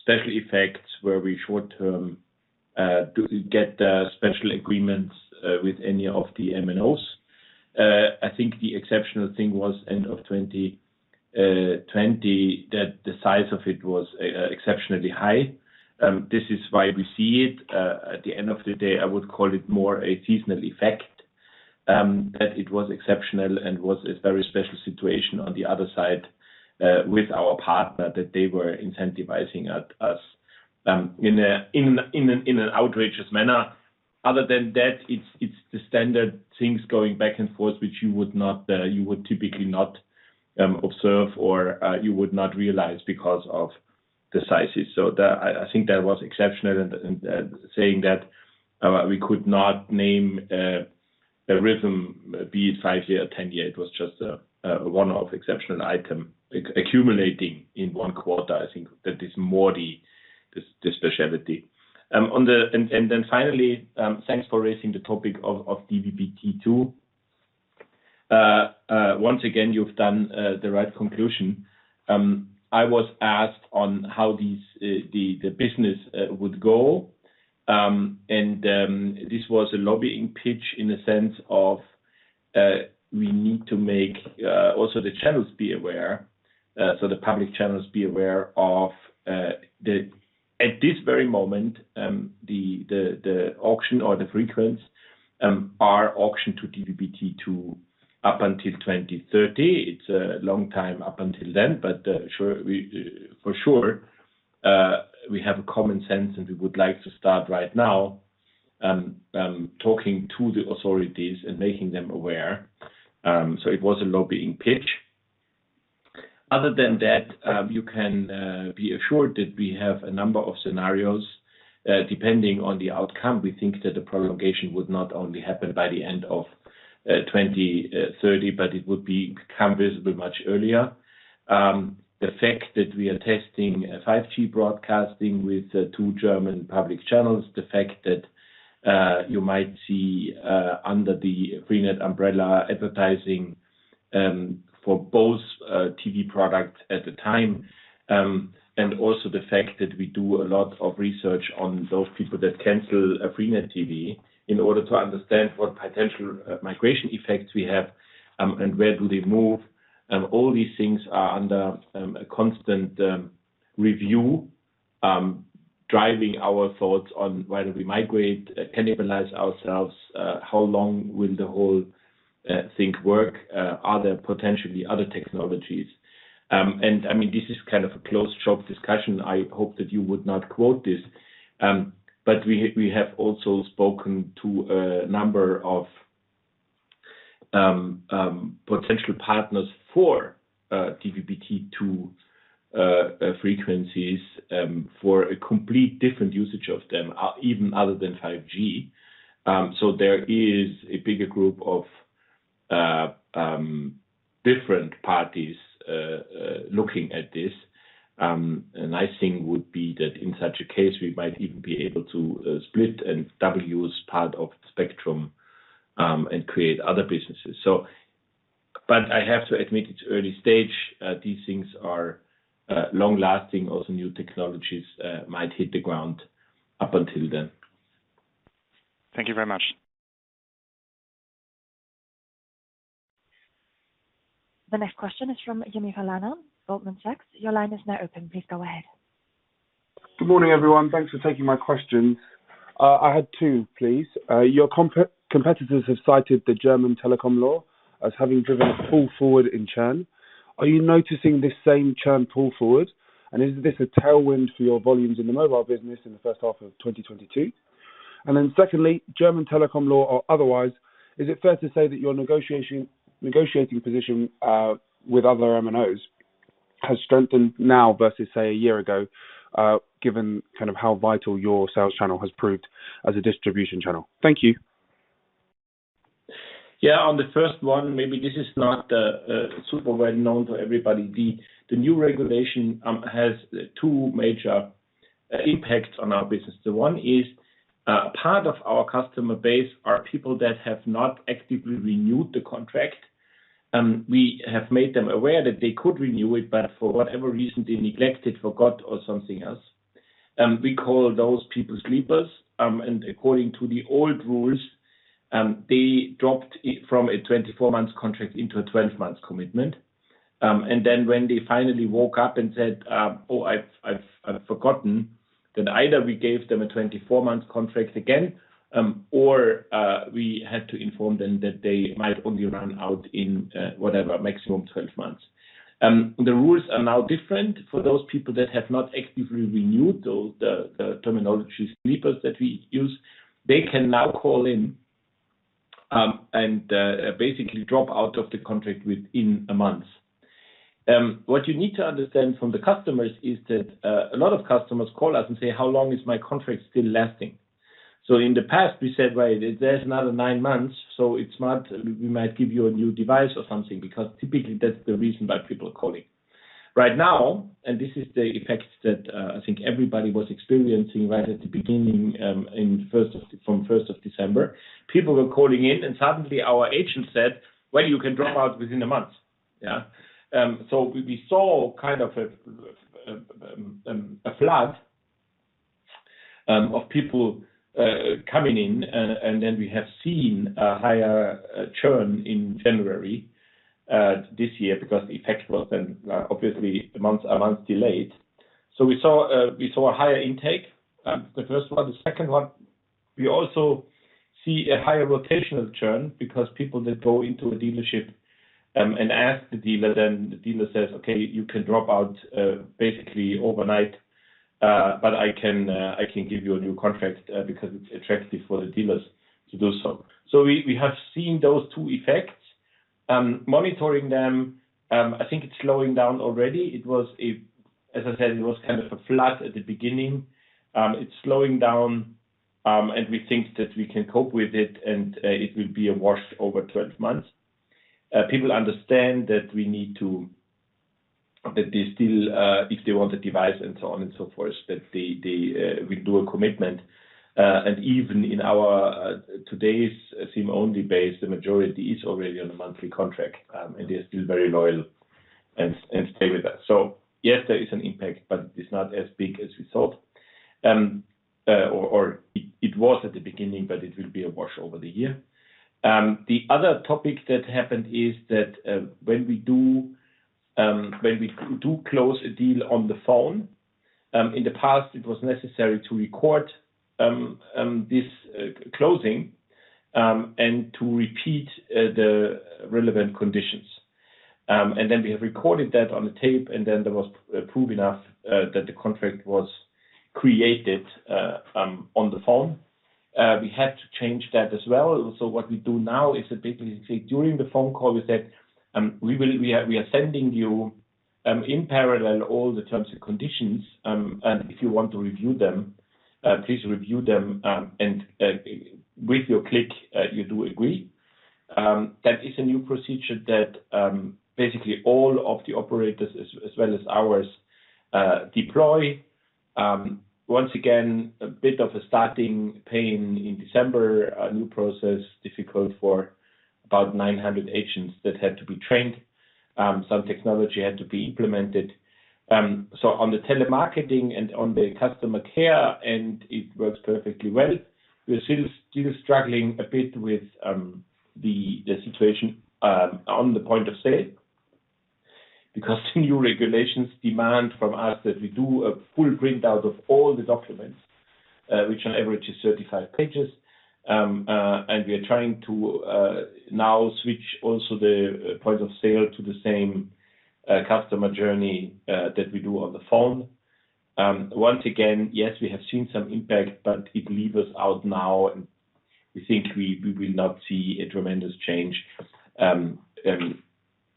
special effects where we short-term do get special agreements with any of the MNOs. I think the exceptional thing was end of 2020 that the size of it was exceptionally high. This is why we see it. At the end of the day, I would call it more a seasonal effect, that it was exceptional and was a very special situation on the other side, with our partner, that they were incentivizing us, in an outrageous manner. Other than that, it's the standard things going back and forth, which you would typically not observe or you would not realize because of the sizes. I think that was exceptional and saying that, we could not name a rhythm, be it 5-year, 10-year. It was just a one-off exceptional item accumulating in one quarter. I think that is more the specialty. Then finally, thanks for raising the topic of DVB-T2. Once again, you've done the right conclusion. I was asked on how the business would go. This was a lobbying pitch in the sense of we need to make also the channels be aware, so the public channels be aware of the. At this very moment, the auction or the frequency are auctioned to DVB-T2 up until 2030. It's a long time up until then, but sure, for sure, we have a common sense, and we would like to start right now talking to the authorities and making them aware. It was a lobbying pitch. Other than that, you can be assured that we have a number of scenarios depending on the outcome. We think that the prolongation would not only happen by the end of 2030, but it would be probably much earlier. The fact that we are testing 5G Broadcast with two German public channels, the fact that you might see under the freenet umbrella advertising for both TV products at the time, and also the fact that we do a lot of research on those people that cancel freenet TV in order to understand what potential migration effects we have, and where do they move. All these things are under a constant review, driving our thoughts on whether we migrate, cannibalize ourselves, how long will the whole thing work, are there potentially other technologies? I mean, this is kind of a closed shop discussion. I hope that you would not quote this. We have also spoken to a number of potential partners for DVB-T2 frequencies for a completely different usage of them, even other than 5G. There is a bigger group of different parties looking at this. A nice thing would be that in such a case, we might even be able to split and dual use part of the spectrum and create other businesses. I have to admit, it's early stage. These things are long-lasting. Also, new technologies might hit the ground up until then. Thank you very much. The next question is from Yemi Falana, Goldman Sachs. Your line is now open. Please go ahead. Good morning, everyone. Thanks for taking my questions. I had two, please. Your competitors have cited the German telecom law as having driven a pull forward in churn. Are you noticing this same churn pull forward? Is this a tailwind for your volumes in the mobile business in the first half of 2022? Secondly, German telecom law or otherwise, is it fair to say that your negotiating position with other MNOs has strengthened now versus, say, a year ago, given kind of how vital your sales channel has proved as a distribution channel? Thank you. Yeah. On the first one, maybe this is not super well known to everybody. The new regulation has two major impacts on our business. The one is part of our customer base are people that have not actively renewed the contract. We have made them aware that they could renew it, but for whatever reason, they neglected, forgot, or something else. We call those people sleepers. According to the old rules, they dropped from a 24-months contract into a 12-months commitment. Then when they finally woke up and said, "Oh, I've forgotten," then either we gave them a 24-month contract again, or we had to inform them that they might only run out in whatever, maximum 12 months. The rules are now different for those people that have not actively renewed, though, the terminology sleepers that we use. They can now call in, and basically drop out of the contract within a month. What you need to understand from the customers is that a lot of customers call us and say, "How long is my contract still lasting?" In the past we said, "Well, there's another nine months, so it's smart. We might give you a new device or something," because typically that's the reason why people are calling. Right now, this is the effect that I think everybody was experiencing right at the beginning. From 1st of December, people were calling in, and suddenly our agent said, "Well, you can drop out within a month." Yeah. We saw kind of a flood of people coming in, and then we have seen a higher churn in January this year because the effect was then obviously a month delayed. We saw a higher intake, the first one. The second one, we also see a higher rotational churn because people that go into a dealership and ask the dealer, then the dealer says, "Okay, you can drop out basically overnight, but I can give you a new contract," because it's attractive for the dealers to do so. We have seen those two effects. Monitoring them, I think it's slowing down already. It was. As I said, it was kind of a flood at the beginning. It's slowing down, and we think that we can cope with it, and it will be a wash over 12 months. People understand that they still, if they want a device and so on and so forth, that they we do a commitment. Even in our today's SIM-only base, the majority is already on a monthly contract, and they are still very loyal and stay with us. Yes, there is an impact, but it's not as big as we thought, or it was at the beginning, but it will be a wash over the year. The other topic that happened is that, when we do close a deal on the phone, in the past, it was necessary to record this closing and to repeat the relevant conditions. Then we have recorded that on the tape, and then there was proof enough that the contract was created on the phone. We had to change that as well What we do now is that basically during the phone call, we said, "We are sending you in parallel all the terms and conditions, and if you want to review them, please review them, and with your click, you do agree." That is a new procedure that basically all of the operators as well as ours deploy. Once again, a bit of a starting pain in December, a new process, difficult for about 900 agents that had to be trained. Some technology had to be implemented on the telemarketing and on the customer care, and it works perfectly well. We're struggling a bit with the situation on the point of sale because new regulations demand from us that we do a full printout of all the documents, which on average is 35 pages. We are trying to now switch also the point of sale to the same customer journey that we do on the phone. Once again, yes, we have seen some impact, but it levels out now, and we think we will not see a tremendous change.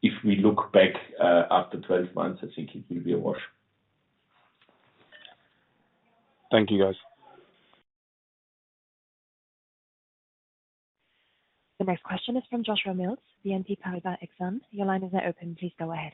If we look back after 12 months, I think it will be a wash. Thank you, guys. The next question is from Joshua Mills, BNP Paribas Exane. Your line is now open. Please go ahead.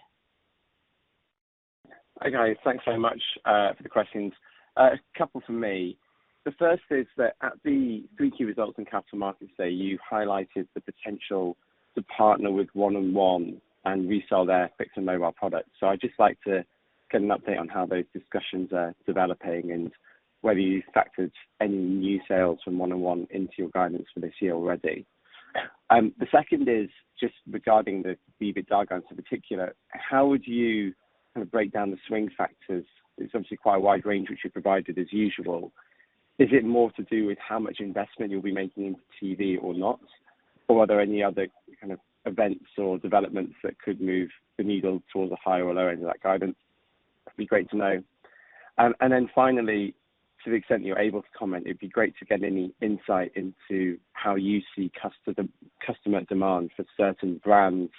Hi, guys. Thanks so much for the questions. A couple from me. The first is that at the 3Q results and Capital Markets Day, you highlighted the potential to partner with 1&1 and resell their fixed mobile products. I'd just like to get an update on how those discussions are developing and whether you factored any new sales from 1&1 into your guidance for this year already. The second is just regarding the EBITDA guidance in particular. How would you break down the swing factors? It's obviously quite a wide range, which you provided as usual. Is it more to do with how much investment you'll be making in TV or not? Or are there any other kind of events or developments that could move the needle towards the higher or lower end of that guidance? It'd be great to know. Finally, to the extent you're able to comment, it'd be great to get any insight into how you see customer demand for certain brands,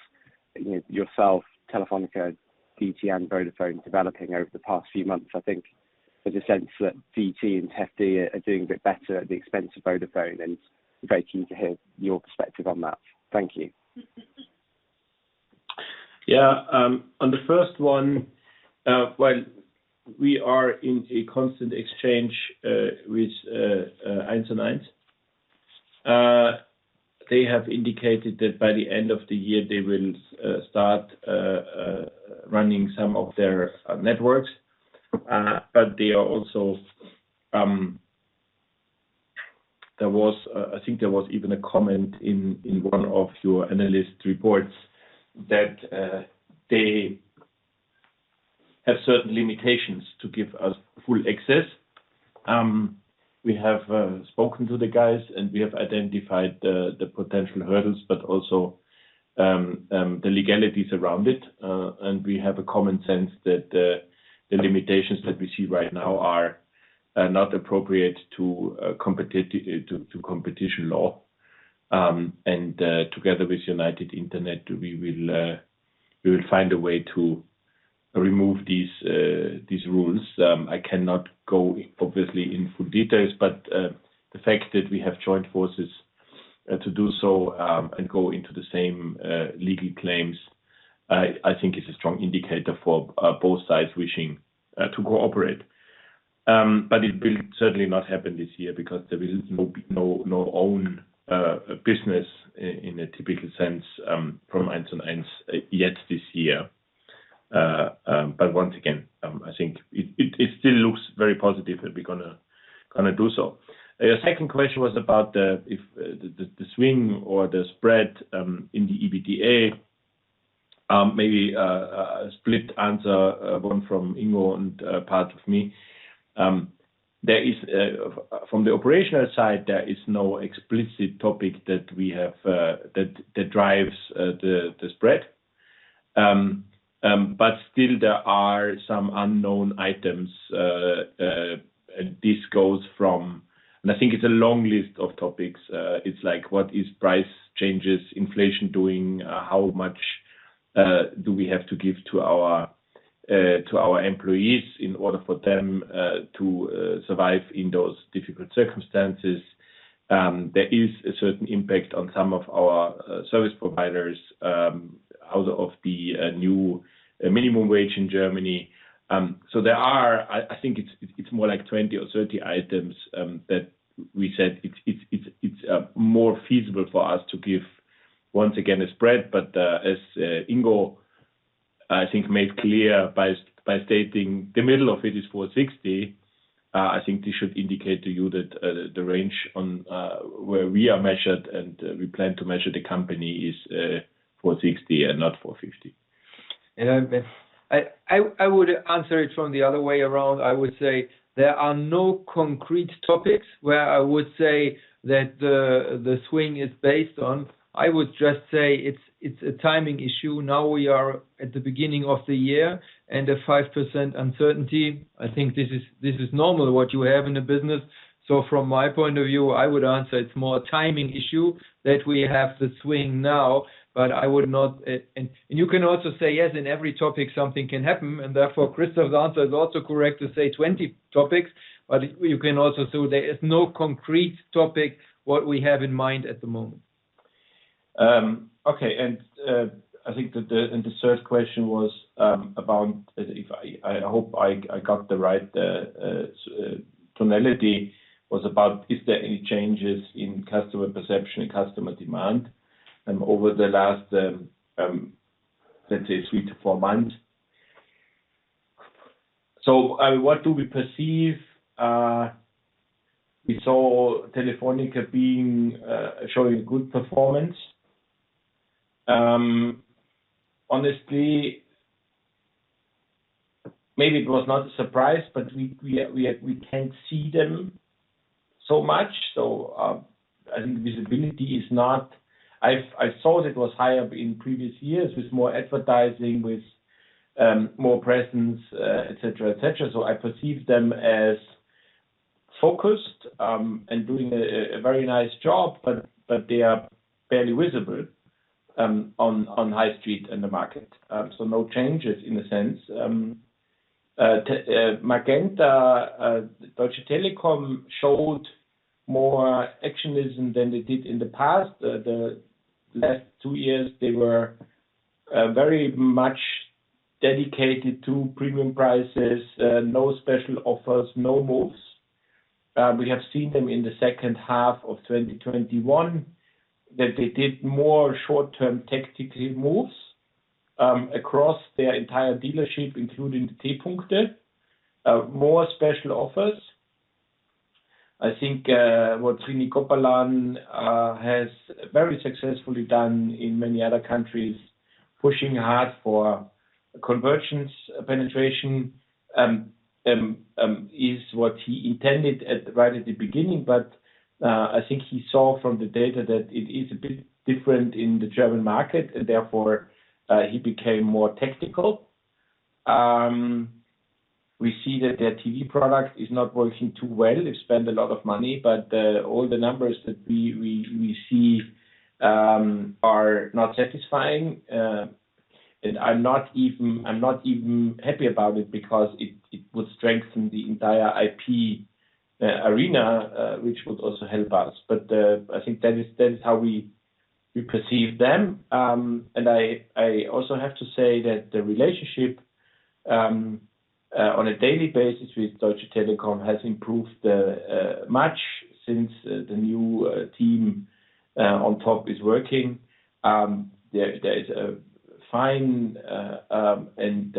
yourself, Telefónica, DT, and Vodafone developing over the past few months. I think there's a sense that DT and Telefónica are doing a bit better at the expense of Vodafone, and I'm very keen to hear your perspective on that. Thank you. Yeah. On the first one, well, we are in a constant exchange with 1&1. They have indicated that by the end of the year they will start running some of their networks, but they are also... There was, I think there was even a comment in one of your analyst reports that they have certain limitations to give us full access. We have spoken to the guys, and we have identified the potential hurdles, but also the legalities around it. We have a common sense that the limitations that we see right now are not appropriate to competition law. Together with United Internet, we will find a way to remove these rules. I cannot go obviously into full details, but the fact that we have joined forces to do so and go into the same legal claims, I think, is a strong indicator for both sides wishing to cooperate. It will certainly not happen this year because there is no own business in a typical sense from 1&1 yet this year. Once again, I think it still looks very positive that we're gonna do so. Your second question was about the swing or the spread in the EBITDA, maybe a split answer, one from Ingo and a part of me. From the operational side, there is no explicit topic that we have that drives the spread. Still there are some unknown items. I think it's a long list of topics. It's like, what is price changes, inflation doing? How much do we have to give to our employees in order for them to survive in those difficult circumstances? There is a certain impact on some of our service providers out of the new minimum wage in Germany. There are, I think it's more like 20 or 30 items that we said it's more feasible for us to give once again a spread. As Ingo made clear by stating the middle of it is 460, I think this should indicate to you that the range on where we are measured and we plan to measure the company is 460 and not 450. I would answer it from the other way around. I would say there are no concrete topics where I would say that the swing is based on. I would just say it's a timing issue. Now we are at the beginning of the year and a 5% uncertainty. I think this is normal what you have in a business. From my point of view, I would answer it's more a timing issue that we have the swing now, but I would not. You can also say yes, in every topic, something can happen. Therefore, Christoph's answer is also correct to say 20 topics. You can also say there is no concrete topic what we have in mind at the moment. Okay. I think the third question was about. I hope I got the right tonality. It was about is there any changes in customer perception, customer demand? Over the last let's say three to four months. What do we perceive? We saw Telefónica showing good performance. Honestly, maybe it was not a surprise, but we can't see them so much. I think visibility is not. I thought it was higher in previous years with more advertising, with more presence, et cetera. I perceive them as focused and doing a very nice job, but they are barely visible on high street in the market. No changes in a sense. Magenta, Deutsche Telekom showed more actionism than they did in the past. The last two years, they were very much dedicated to premium prices, no special offers, no moves. We have seen them in the second half of 2021, that they did more short-term tactical moves, across their entire dealership, including the T-Punkte, more special offers. I think what Srini Gopalan has very successfully done in many other countries, pushing hard for convergence penetration, is what he intended right at the beginning. I think he saw from the data that it is a bit different in the German market, and therefore he became more tactical. We see that their TV product is not working too well. They spend a lot of money, but all the numbers that we see are not satisfying. I'm not even happy about it because it would strengthen the entire IP arena, which would also help us. I think that is how we perceive them. I also have to say that the relationship on a daily basis with Deutsche Telekom has improved much since the new team on top is working. There is a fine and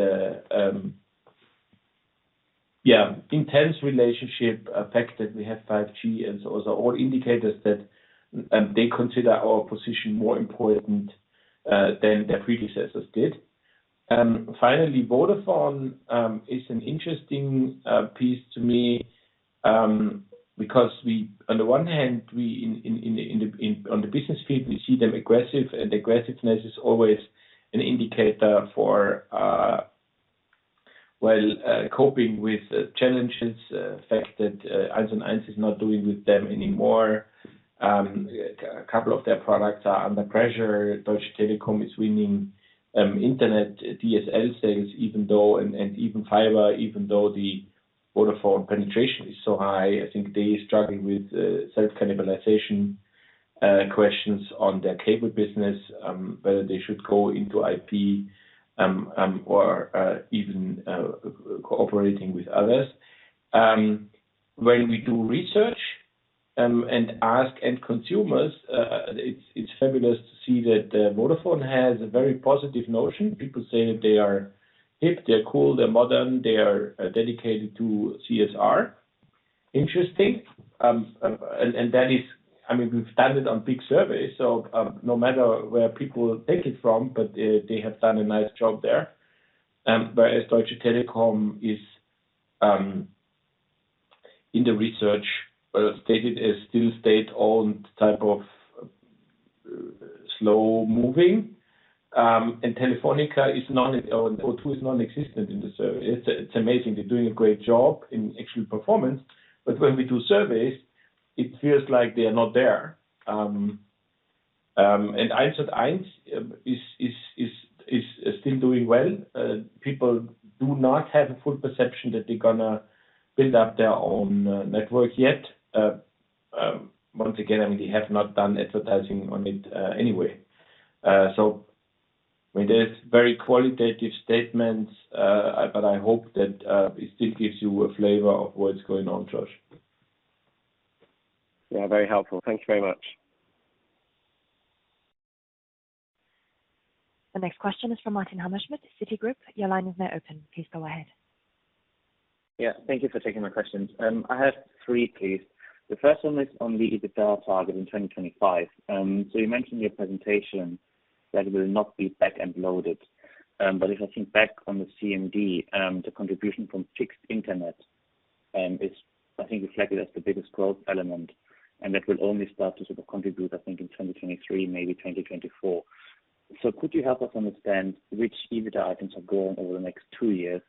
intense relationship aspect that we have 5G and so on. All indicators that they consider our position more important than their predecessors did. Finally, Vodafone is an interesting piece to me, because on the one hand, we in the business field see them aggressive, and aggressiveness is always an indicator for well coping with challenges, the fact that 1&1 is not doing with them anymore. A couple of their products are under pressure. Deutsche Telekom is winning internet DSL sales, even though and even fiber, even though the Vodafone penetration is so high. I think they struggle with self-cannibalization questions on their cable business, whether they should go into IP or even cooperating with others. When we do research and ask end consumers, it's fabulous to see that Vodafone has a very positive notion. People say that they are hip, they're cool, they're modern, they are dedicated to CSR. Interesting. I mean, we've done it on big surveys, so no matter where people take it from, but they have done a nice job there. Whereas Deutsche Telekom is in the research stated as still state-owned type of slow-moving, and Telefónica or O2 is non-existent in the survey. It's amazing. They're doing a great job in actual performance, but when we do surveys, it feels like they are not there. 1&1 is still doing well. People do not have a full perception that they're gonna build up their own network yet. Once again, I mean, they have not done advertising on it, anyway. I mean, there's very qualitative statements, but I hope that it still gives you a flavor of what's going on, Josh. Yeah, very helpful. Thank you very much. The next question is from Martin Hammerschmidt, Citigroup. Your line is now open. Please go ahead. Yeah. Thank you for taking my questions. I have three, please. The first one is on the EBITDA target in 2025. You mentioned in your presentation that it will not be back-end loaded. If I think back on the CMD, the contribution from fixed Internet is, I think, reflected as the biggest growth element, and that will only start to sort of contribute, I think, in 2023, maybe 2024. Could you help us understand which EBITDA items are growing over the next two years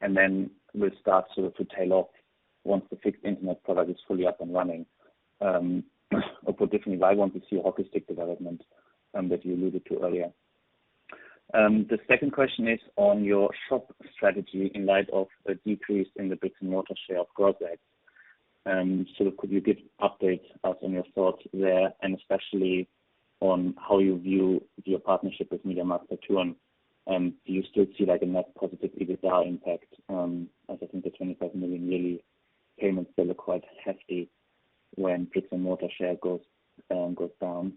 and then will start sort of to tail off once the fixed Internet product is fully up and running? Put differently, I want to see a hockey stick development that you alluded to earlier. The second question is on your shop strategy in light of a decrease in the bricks and mortar share of growth rate. Could you give us updates on your thoughts there, and especially on how you view your partnership with MediaMarktSaturn. Do you still see, like a net positive EBITDA impact, as I think the 25 million really. Payments still look quite hefty when bricks and mortar share goes down.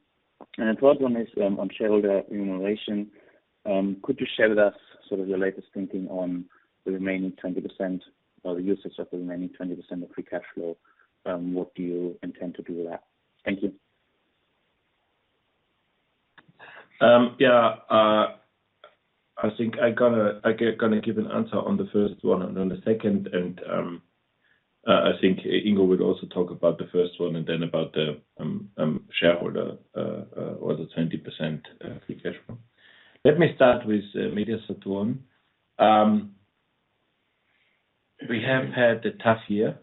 The third one is on shareholder remuneration. Could you share with us sort of your latest thinking on the remaining 20% or the usage of the remaining 20% of free cash flow? What do you intend to do with that? Thank you. I think I gonna give an answer on the first one and then the second. I think Ingo will also talk about the first one and then about the shareholder or the 20% free cash flow. Let me start with Media-Saturn. We have had a tough year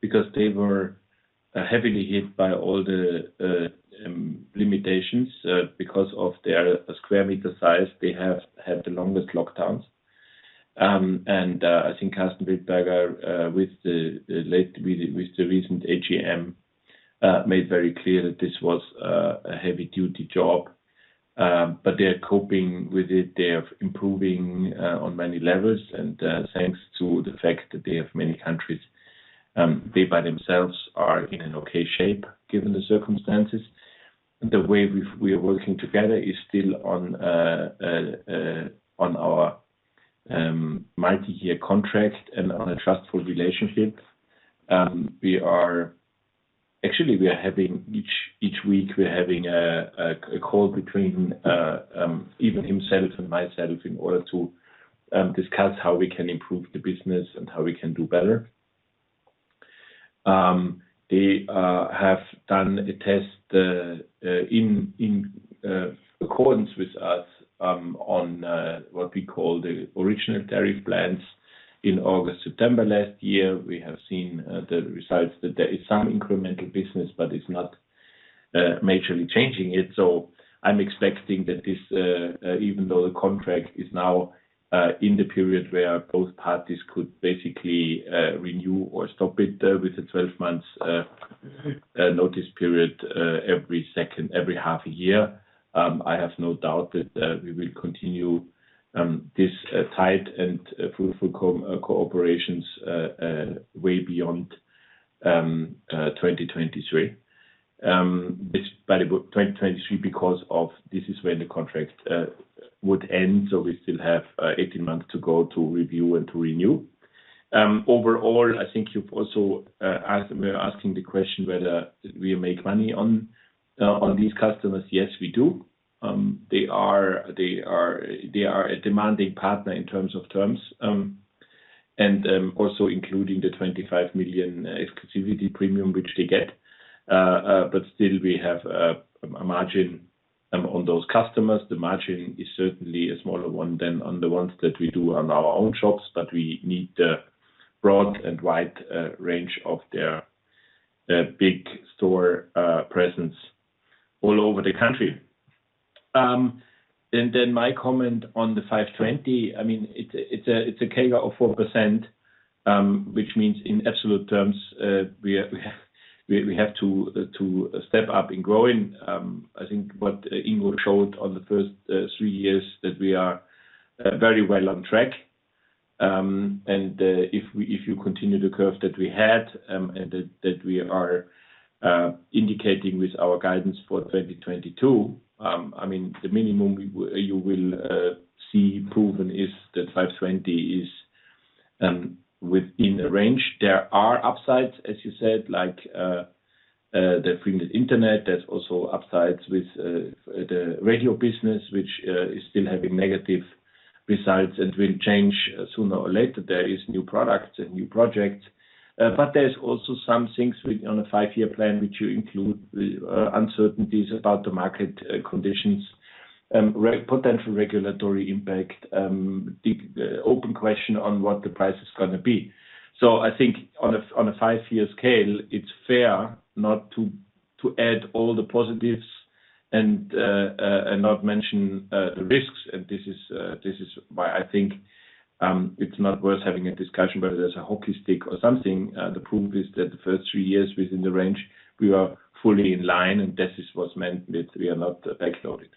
because they were heavily hit by all the limitations because of their square meter size. They have had the longest lockdowns. I think Karsten Wildberger with the recent AGM made very clear that this was a heavy duty job. They are coping with it. They are improving on many levels. Thanks to the fact that they have many countries, they by themselves are in an okay shape given the circumstances. The way we are working together is still on our multiyear contract and on a trustful relationship. Actually, we are having each week, we're having a call between even himself and myself in order to discuss how we can improve the business and how we can do better. They have done a test in accordance with us on what we call the original tariff plans in August, September last year. We have seen the results that there is some incremental business, but it's not majorly changing it. I'm expecting that this, even though the contract is now in the period where both parties could basically renew or stop it with a 12 months notice period every half a year, I have no doubt that we will continue this tight and fruitful cooperation way beyond 2023. It's valuable 2023 because this is when the contract would end, so we still have 18 months to go to review and to renew. Overall, I think you've also were asking the question whether we make money on these customers. Yes, we do. They are a demanding partner in terms of terms. Also including the 25 million exclusivity premium, which they get. Still we have a margin on those customers. The margin is certainly a smaller one than on the ones that we do on our own shops, but we need the broad and wide range of their big store presence all over the country. Then my comment on the 520, I mean, it's a CAGR of 4%, which means in absolute terms, we have to step up in growing. I think what Ingo showed on the first three years that we are very well on track. If you continue the curve that we had and that we are indicating with our guidance for 2022, I mean, the minimum you will see proven is that 520 is within the range. There are upsides, as you said, like the freenet Internet. There's also upsides with the radio business, which is still having negative results and will change sooner or later. There is new products and new projects. But there's also some things on a five-year plan which you include the uncertainties about the market conditions, potential regulatory impact, the open question on what the price is gonna be. I think on a five-year scale, it's fair not to add all the positives and not mention the risks. This is why I think it's not worth having a discussion whether there's a hockey stick or something. The proof is that the first three years within the range, we are fully in line, and this is what's meant with we are not backloaded.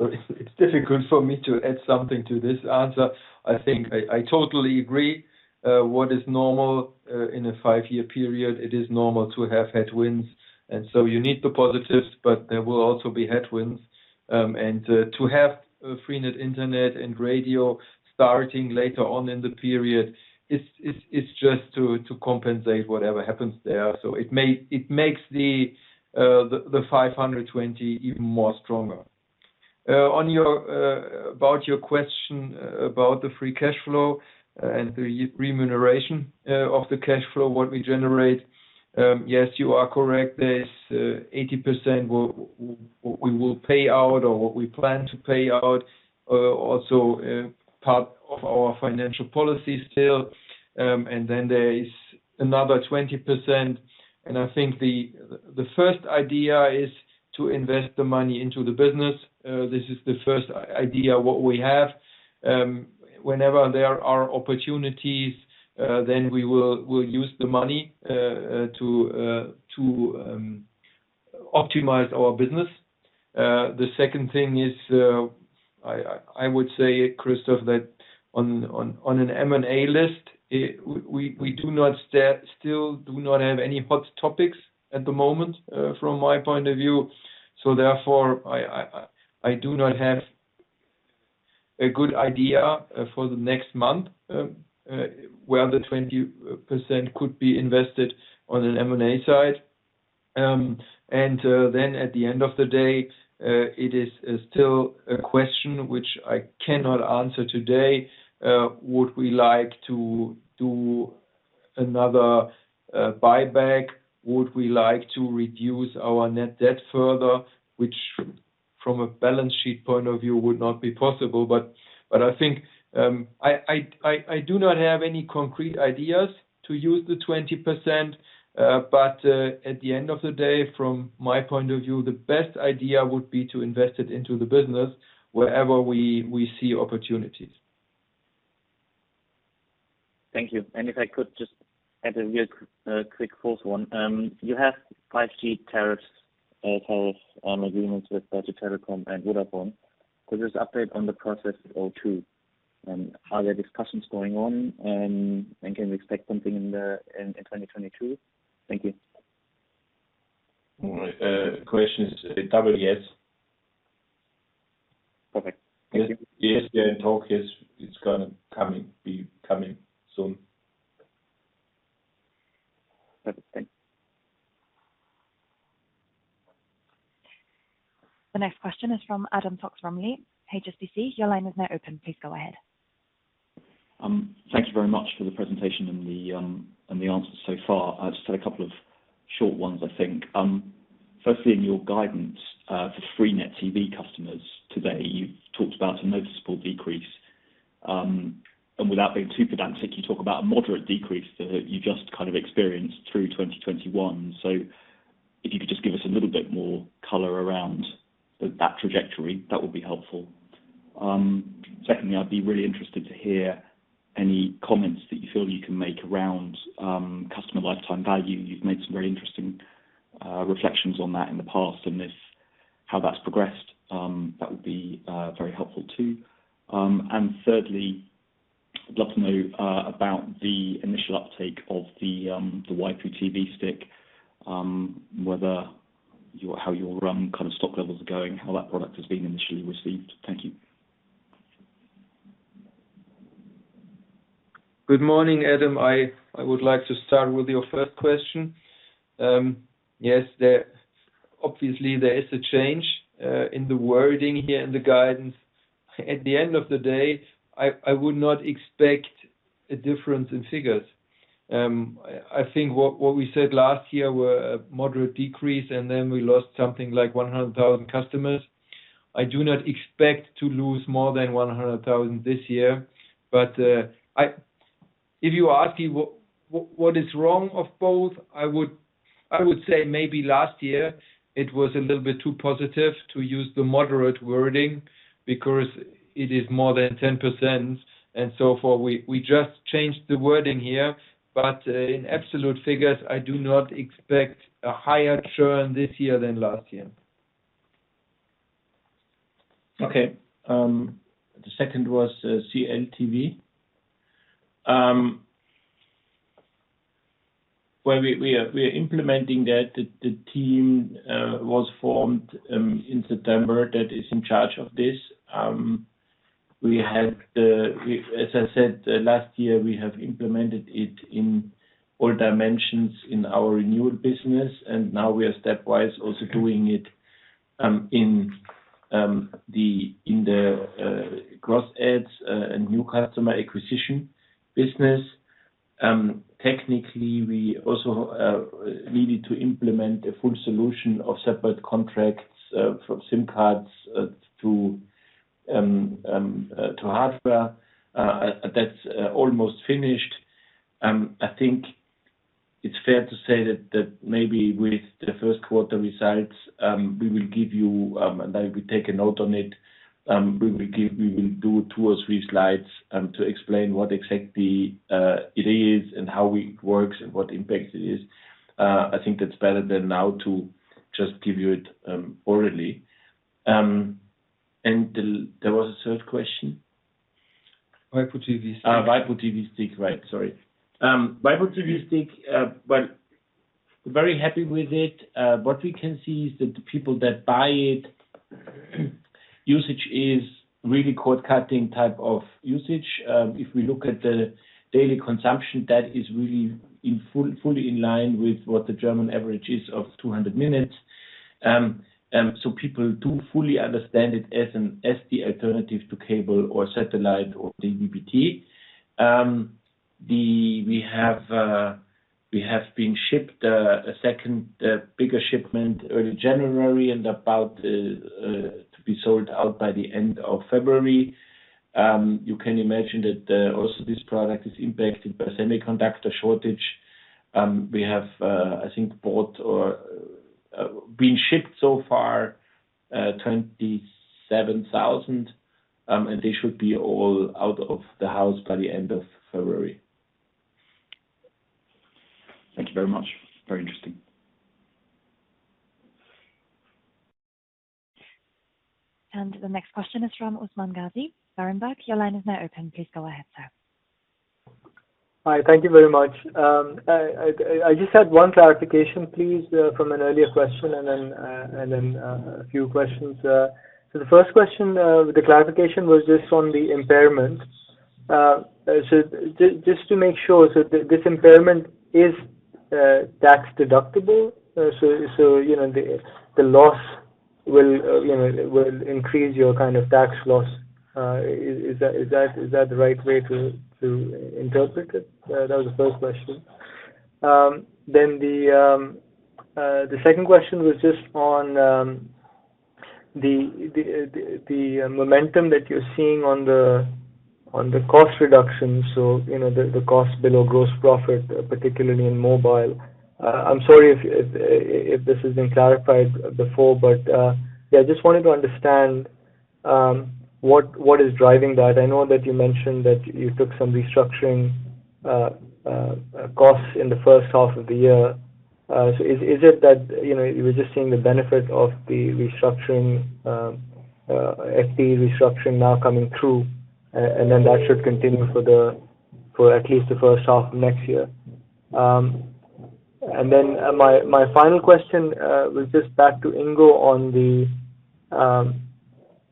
Okay. It's difficult for me to add something to this answer. I think I totally agree. What is normal in a five-year period, it is normal to have headwinds, and you need the positives, but there will also be headwinds. To have freenet Internet and radio starting later on in the period is just to compensate whatever happens there. It makes the 520 even more stronger. On your question about the free cash flow and the remuneration of the cash flow what we generate, yes, you are correct. There's 80% we will pay out or what we plan to pay out, also part of our financial policy still. There is another 20%, and I think the first idea is to invest the money into the business. This is the first idea what we have. Whenever there are opportunities, then we'll use the money to optimize our business. The second thing is, I would say, Christoph, that on an M&A list, we still do not have any hot topics at the moment, from my point of view. Therefore, I do not have a good idea for the next month, where the 20% could be invested on an M&A side. Then at the end of the day, it is still a question which I cannot answer today. Would we like to do another buyback? Would we like to reduce our net debt further, which from a balance sheet point of view would not be possible. I think I do not have any concrete ideas to use the 20%, but at the end of the day, from my point of view, the best idea would be to invest it into the business wherever we see opportunities. Thank you. If I could just add a real quick fourth one. You have 5G tariffs on agreements with Deutsche Telekom and Vodafone. Could there be an update on the process of those two? Are there discussions going on and can we expect something in 2022? Thank you. All right. Question is a double yes. Perfect. Thank you. Yes, they're in talk. Yes, it's gonna be coming soon. Perfect. Thanks. The next question is from Adam Fox-Rumley from HSBC. Your line is now open. Please go ahead. Thank you very much for the presentation and the answers so far. I just had a couple of short ones, I think. Firstly, in your guidance, for freenet TV customers today, you talked about a noticeable decrease. Without being too pedantic, you talk about a moderate decrease that you just kind of experienced through 2021. If you could just give us a little bit more color around that trajectory, that would be helpful. Secondly, I'd be really interested to hear any comments that you feel you can make around customer lifetime value. You've made some very interesting reflections on that in the past, and how that's progressed, that would be very helpful too. Thirdly, I'd love to know about the initial uptake of the waipu.tv Stick, how your kind of stock levels are going, how that product has been initially received? Thank you. Good morning, Adam. I would like to start with your first question. Yes, there obviously is a change in the wording here in the guidance. At the end of the day, I would not expect a difference in figures. I think what we said last year were a moderate decrease, and then we lost something like 100,000 customers. I do not expect to lose more than 100,000 this year. If you ask me what is wrong of both, I would say maybe last year it was a little bit too positive to use the moderate wording because it is more than 10% and so forth. We just changed the wording here. In absolute figures, I do not expect a higher churn this year than last year. Okay. The second was CLTV. Well, we are implementing that. The team was formed in September that is in charge of this. As I said last year, we have implemented it in all dimensions in our renewal business, and now we are stepwise also doing it in the gross adds and new customer acquisition business. Technically, we also needed to implement a full solution of separate contracts from SIM cards to hardware. That's almost finished. I think it's fair to say that maybe with the first quarter results, we will give you and I will take a note on it. We will do two or three slides to explain what exactly it is and how it works and what impact it is. I think that's better than now to just give you it orally. There was a third question. waipu.tv Stick. waipu.tv Stick. Right. Sorry. waipu.tv Stick, well, very happy with it. What we can see is that the people that buy it, usage is really cord-cutting type of usage. If we look at the daily consumption, that is really fully in line with what the German average is of 200 minutes. People do fully understand it as an, as the alternative to cable or satellite or DVB-T. We have been shipped a second, bigger shipment early January and about to be sold out by the end of February. You can imagine that also this product is impacted by semiconductor shortage. We have, I think, bought or been shipped so far 27,000, and they should be all out of the house by the end of February. Thank you very much. Very interesting. The next question is from Usman Ghazi, Berenberg. Your line is now open. Please go ahead, sir. Hi. Thank you very much. I just had one clarification please, from an earlier question and then a few questions. The first question, the clarification, was just on the impairment. Just to make sure that this impairment is tax deductible, so you know, the loss will, you know, increase your kind of tax loss. Is that the right way to interpret it? That was the first question. The second question was just on the momentum that you're seeing on the cost reduction, you know, the cost below gross profit, particularly in mobile. I'm sorry if this has been clarified before, but yeah, just wanted to understand what is driving that. I know that you mentioned that you took some restructuring costs in the first half of the year. So is it that you know you were just seeing the benefit of the FP restructuring now coming through and then that should continue for at least the first half of next year? And then my final question was just back to Ingo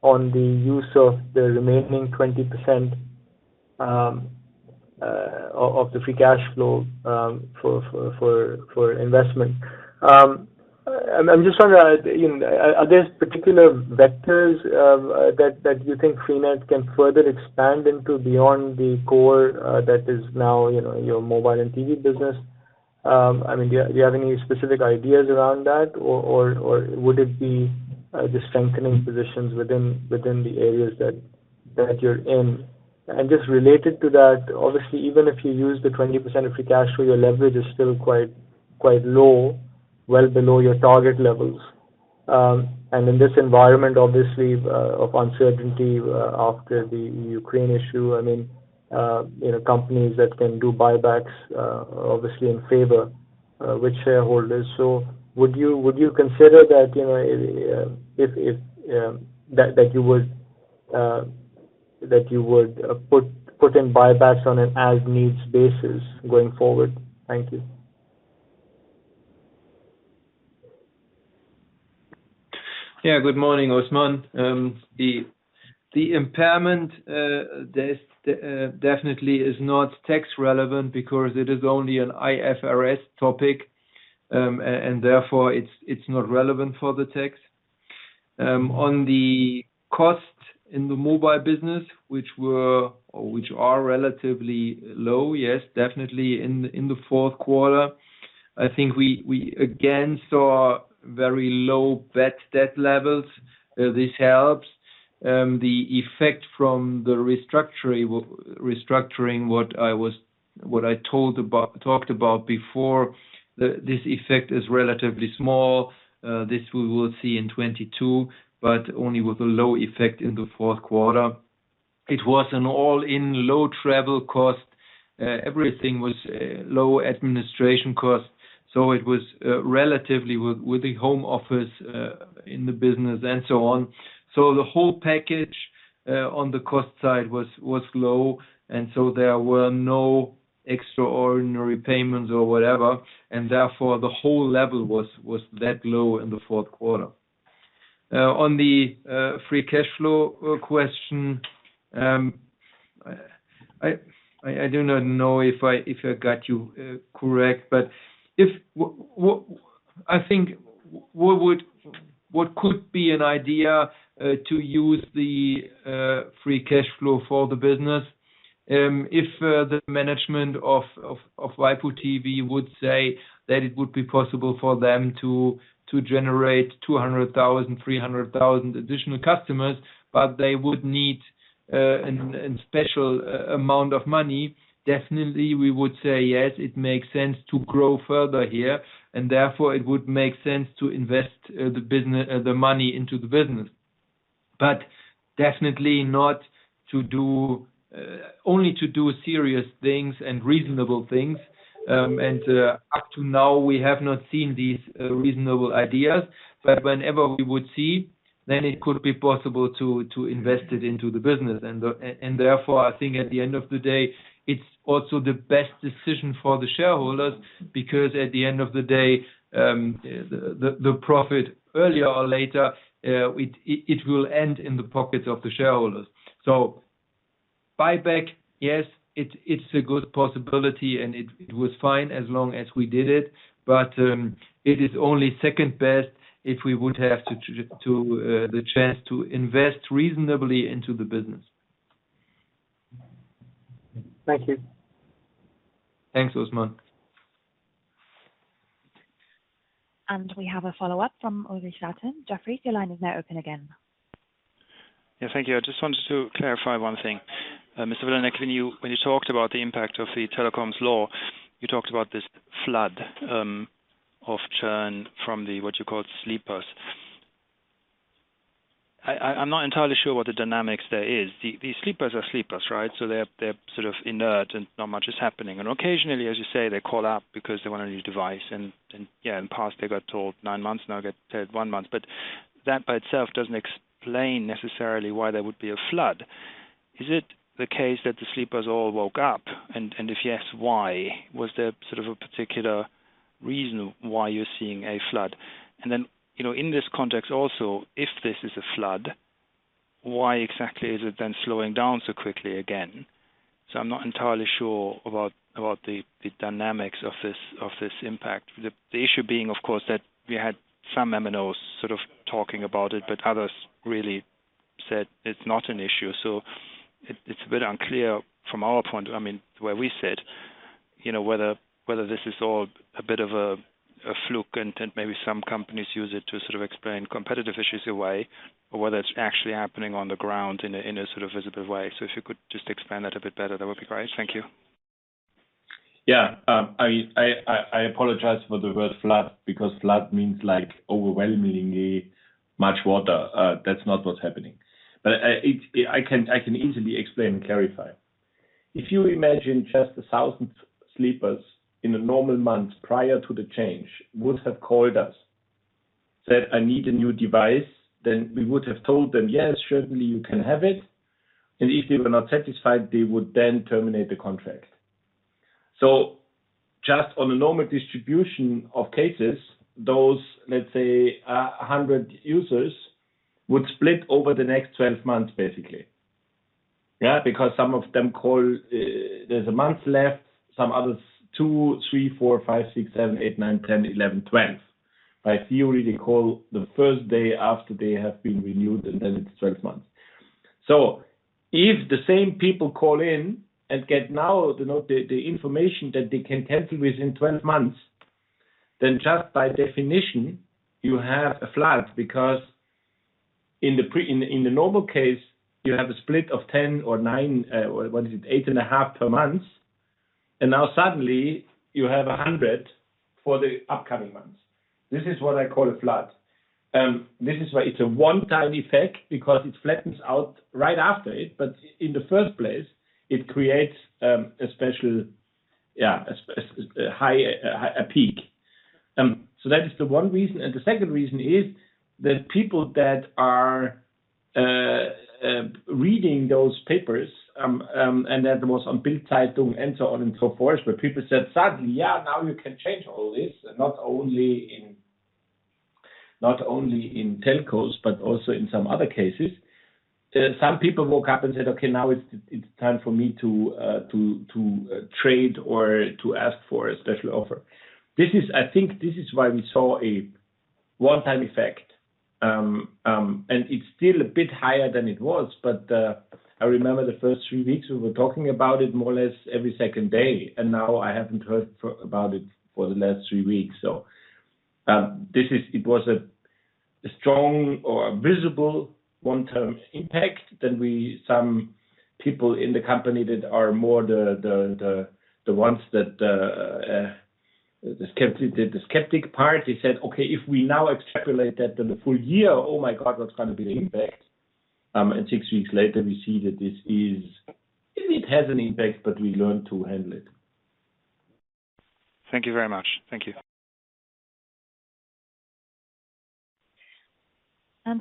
on the use of the remaining 20% of the free cash flow for investment. I'm just wondering, you know, are there particular vectors that you think freenet can further expand into beyond the core that is now, you know, your mobile and TV business? I mean, do you have any specific ideas around that? Or would it be just strengthening positions within the areas that you're in? Just related to that, obviously, even if you use the 20% of free cash flow, your leverage is still quite low, well below your target levels. In this environment, obviously, of uncertainty after the Ukraine issue, I mean, you know, companies that can do buybacks are obviously in favor with shareholders. Would you consider that you know if that you would put in buybacks on an as-needs basis going forward? Thank you. Yeah, good morning, Usman. The impairment definitely is not tax relevant because it is only an IFRS topic, and therefore it's not relevant for the tax. On the cost in the mobile business, which were or which are relatively low, yes, definitely in the fourth quarter. I think we again saw very low bad debt levels. This helps. The effect from the restructuring what I talked about before, this effect is relatively small. This we will see in 2022, but only with a low effect in the fourth quarter. It was an all-in low travel cost. Everything was low administration cost. It was relatively with the home office in the business and so on. The whole package on the cost side was low, and there were no extraordinary payments or whatever, and therefore the whole level was that low in the fourth quarter. On the free cash flow question, I do not know if I got you correct. I think what could be an idea to use the free cash flow for the business, if the management of waipu.tv would say that it would be possible for them to generate 200,000, 300,000 additional customers, but they would need a special amount of money, definitely we would say, yes, it makes sense to grow further here, and therefore it would make sense to invest the money into the business. Definitely not only to do serious things and reasonable things. Up to now, we have not seen these reasonable ideas. Whenever we would see, then it could be possible to invest it into the business. Therefore, I think at the end of the day, it's also the best decision for the shareholders, because at the end of the day, the profit, sooner or later, it will end in the pockets of the shareholders. Buyback, yes, it's a good possibility, and it was fine as long as we did it. It is only second best if we would have to forgo the chance to invest reasonably into the business. Thank you. Thanks, Usman. We have a follow-up from Ulrich Rathe, Jefferies. Your line is now open again. Yeah. Thank you. I just wanted to clarify one thing. Mr. Vilanek, when you talked about the impact of the telecoms law, you talked about this flood of churn from the, what you called sleepers. I'm not entirely sure what the dynamics there is. The sleepers are sleepers, right? They're sort of inert and not much is happening. Occasionally, as you say, they call up because they want a new device and yeah, in the past they got told nine months, now get told one month. That by itself doesn't explain necessarily why there would be a flood. Is it the case that the sleepers all woke up? If yes, why? Was there sort of a particular reason why you're seeing a flood? You know, in this context also, if this is a flood, why exactly is it then slowing down so quickly again? I'm not entirely sure about the dynamics of this impact. The issue being, of course, that we had some MNOs sort of talking about it, but others really said it's not an issue. It's a bit unclear from our point, I mean, where we sit, you know, whether this is all a bit of a fluke and maybe some companies use it to sort of explain competitive issues away or whether it's actually happening on the ground in a sort of visible way. If you could just expand that a bit better, that would be great. Thank you. Yeah. I apologize for the word flood because flood means like overwhelmingly much water. That's not what's happening. I can easily explain and clarify. If you imagine just 1,000 sleepers in a normal month prior to the change would have called us, said, "I need a new device," then we would have told them, "Yes, certainly you can have it." If they were not satisfied, they would then terminate the contract. Just on a normal distribution of cases, those, let's say, 100 users would split over the next 12 months, basically. Yeah? Because some of them call, there's a month left, some others two, three, four, five, six, seven, eight, nine, 10, 11, 12. In theory, they call the first day after they have been renewed, and then it's 12 months. If the same people call in and get now the information that they can cancel within 12 months, then just by definition you have a flood because in the normal case, you have a split of 10 or nine, or what is it, 8.5 per month. Now suddenly you have 100 for the upcoming months. This is what I call a flood. This is why it's a one-time effect because it flattens out right after it. In the first place it creates a special, yeah, a high, a peak. That is the one reason. The second reason is that people that are reading those papers and they're the most on bill side and so on and so forth, where people said suddenly, "Yeah, now you can change all this," not only in telcos, but also in some other cases. Some people woke up and said, "Okay, now it's time for me to trade or to ask for a special offer." I think this is why we saw a one-time effect. It's still a bit higher than it was, but I remember the first three weeks we were talking about it more or less every second day, and now I haven't heard about it for the last three weeks. This is. It was a strong or a visible one-time impact than we. Some people in the company that are more the skeptic part. They said, "Okay, if we now extrapolate that then the full year, oh my god, what's gonna be the impact?" Six weeks later we see that this is. It has an impact, but we learn to handle it. Thank you very much. Thank you.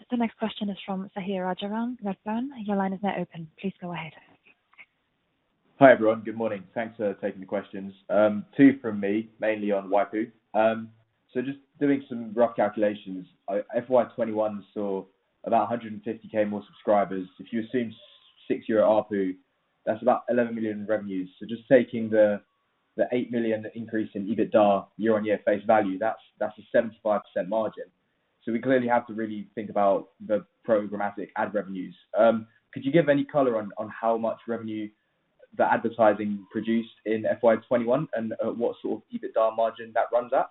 The next question is from Sahir Rajaram, Redburn. Your line is now open. Please go ahead. Hi, everyone. Good mrning. Thanks for taking the questions. Two from me, mainly on Waipu. Just doing some rough calculations. FY 2021 saw about 150,000 more subscribers. If you assume six-year ARPU, that's about 11 million revenues. Just taking the 8 million increase in EBITDA year-on-year face value, that's a 75% margin. We clearly have to really think about the programmatic ad revenues. Could you give any color on how much revenue the advertising produced in FY 2021 and what sort of EBITDA margin that runs at?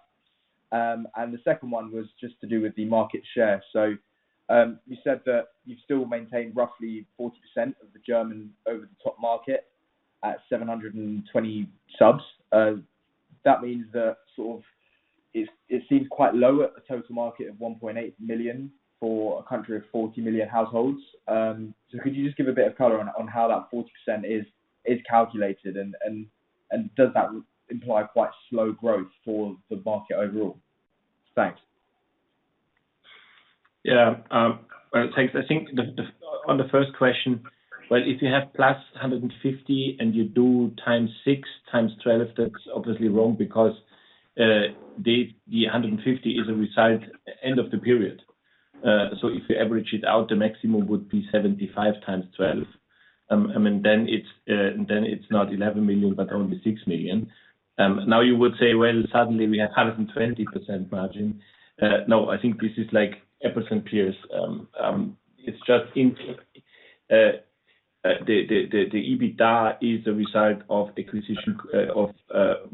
The second one was just to do with the market share. You said that you still maintain roughly 40% of the German over-the-top market at 720 subs. That means that sort of it seems quite low at the total market of 1.8 million for a country of 40 million households. Could you just give a bit of color on how that 40% is calculated and does that imply quite slow growth for the market overall? Thanks. Yeah. Well, thanks. I think. On the first question, well, if you have +150 and you do ×6×12, that's obviously wrong because the 150 is a result end of the period. So if you average it out, the maximum would be 75×12. I mean, then it's not 11 million, but only 6 million. Now you would say, "Well, suddenly we have 120% margin." No, I think this is like apples and pears. It's just the EBITDA is a result of